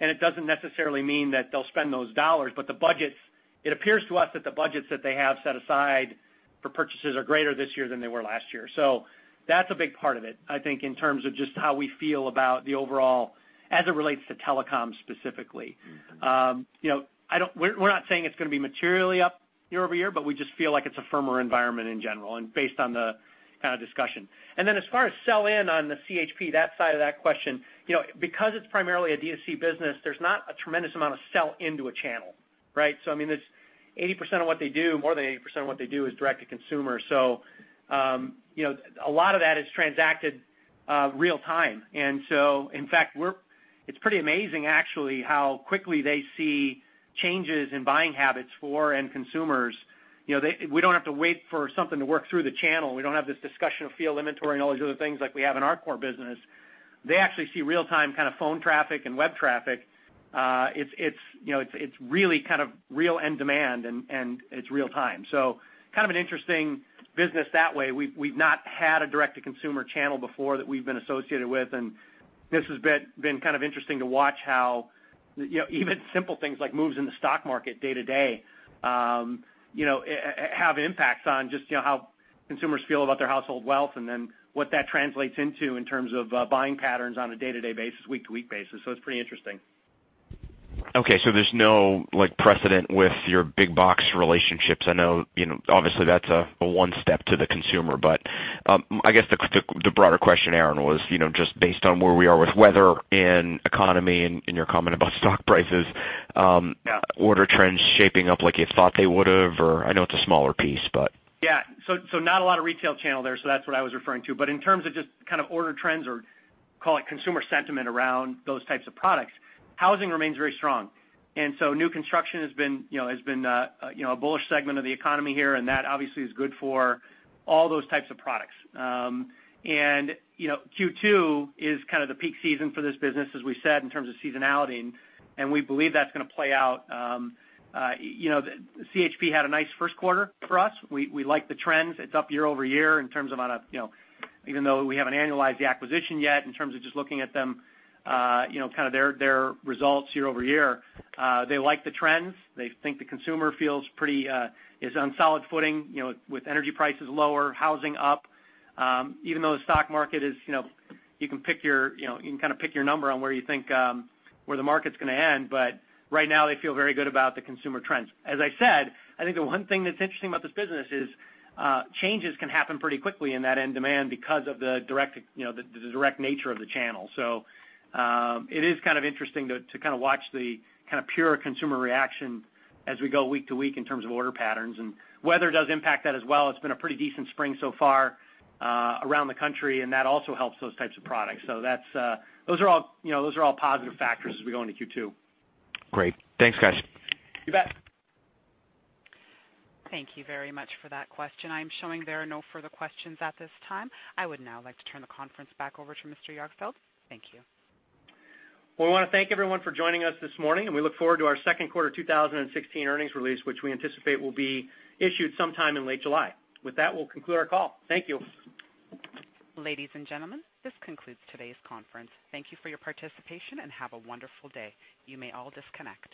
S3: and it doesn't necessarily mean that they'll spend those dollars. It appears to us that the budgets that they have set aside for purchases are greater this year than they were last year. That's a big part of it, I think, in terms of just how we feel about the overall as it relates to telecom specifically. We're not saying it's going to be materially up year-over-year, we just feel like it's a firmer environment in general and based on the kind of discussion. As far as sell-in on the CHP, that side of that question, because it's primarily a DTC business, there's not a tremendous amount of sell into a channel. Right? More than 80% of what they do is direct to consumer. A lot of that is transacted real time. In fact, it's pretty amazing actually how quickly they see changes in buying habits for end consumers. We don't have to wait for something to work through the channel. We don't have this discussion of field inventory and all these other things like we have in our core business. They actually see real-time phone traffic and web traffic. It's really kind of real end demand, and it's real time. Kind of an interesting business that way. We've not had a direct-to-consumer channel before that we've been associated with, and this has been kind of interesting to watch how even simple things like moves in the stock market day-to-day have impacts on just how consumers feel about their household wealth, and then what that translates into in terms of buying patterns on a day-to-day basis, week-to-week basis. It's pretty interesting.
S10: Okay, there's no precedent with your big box relationships. I know, obviously, that's one step to the consumer. I guess the broader question, Aaron, was just based on where we are with weather and economy and your comment about stock prices.
S3: Yeah.
S10: Order trends shaping up like you thought they would have, or I know it's a smaller piece.
S3: Not a lot of retail channel there. That's what I was referring to. In terms of just kind of order trends or call it consumer sentiment around those types of products, housing remains very strong. New construction has been a bullish segment of the economy here, and that obviously is good for all those types of products. Q2 is kind of the peak season for this business, as we said, in terms of seasonality, and we believe that's going to play out. CHP had a nice first quarter for us. We like the trends. It's up year-over-year in terms of amount of, even though we haven't annualized the acquisition yet, in terms of just looking at them, kind of their results year-over-year. They like the trends. They think the consumer feels pretty is on solid footing, with energy prices lower, housing up. The stock market is, you can kind of pick your number on where you think the market's going to end. Right now, they feel very good about the consumer trends. I said, I think the one thing that's interesting about this business is changes can happen pretty quickly in that end demand because of the direct nature of the channel. It is kind of interesting to kind of watch the kind of pure consumer reaction as we go week-to-week in terms of order patterns. Weather does impact that as well. It's been a pretty decent spring so far around the country, and that also helps those types of products. Those are all positive factors as we go into Q2.
S10: Great. Thanks, guys.
S3: You bet.
S1: Thank you very much for that question. I'm showing there are no further questions at this time. I would now like to turn the conference back over to Mr. Jagdfeld. Thank you.
S3: Well, we want to thank everyone for joining us this morning, and we look forward to our second quarter 2016 earnings release, which we anticipate will be issued sometime in late July. With that, we'll conclude our call. Thank you.
S1: Ladies and gentlemen, this concludes today's conference. Thank you for your participation and have a wonderful day. You may all disconnect.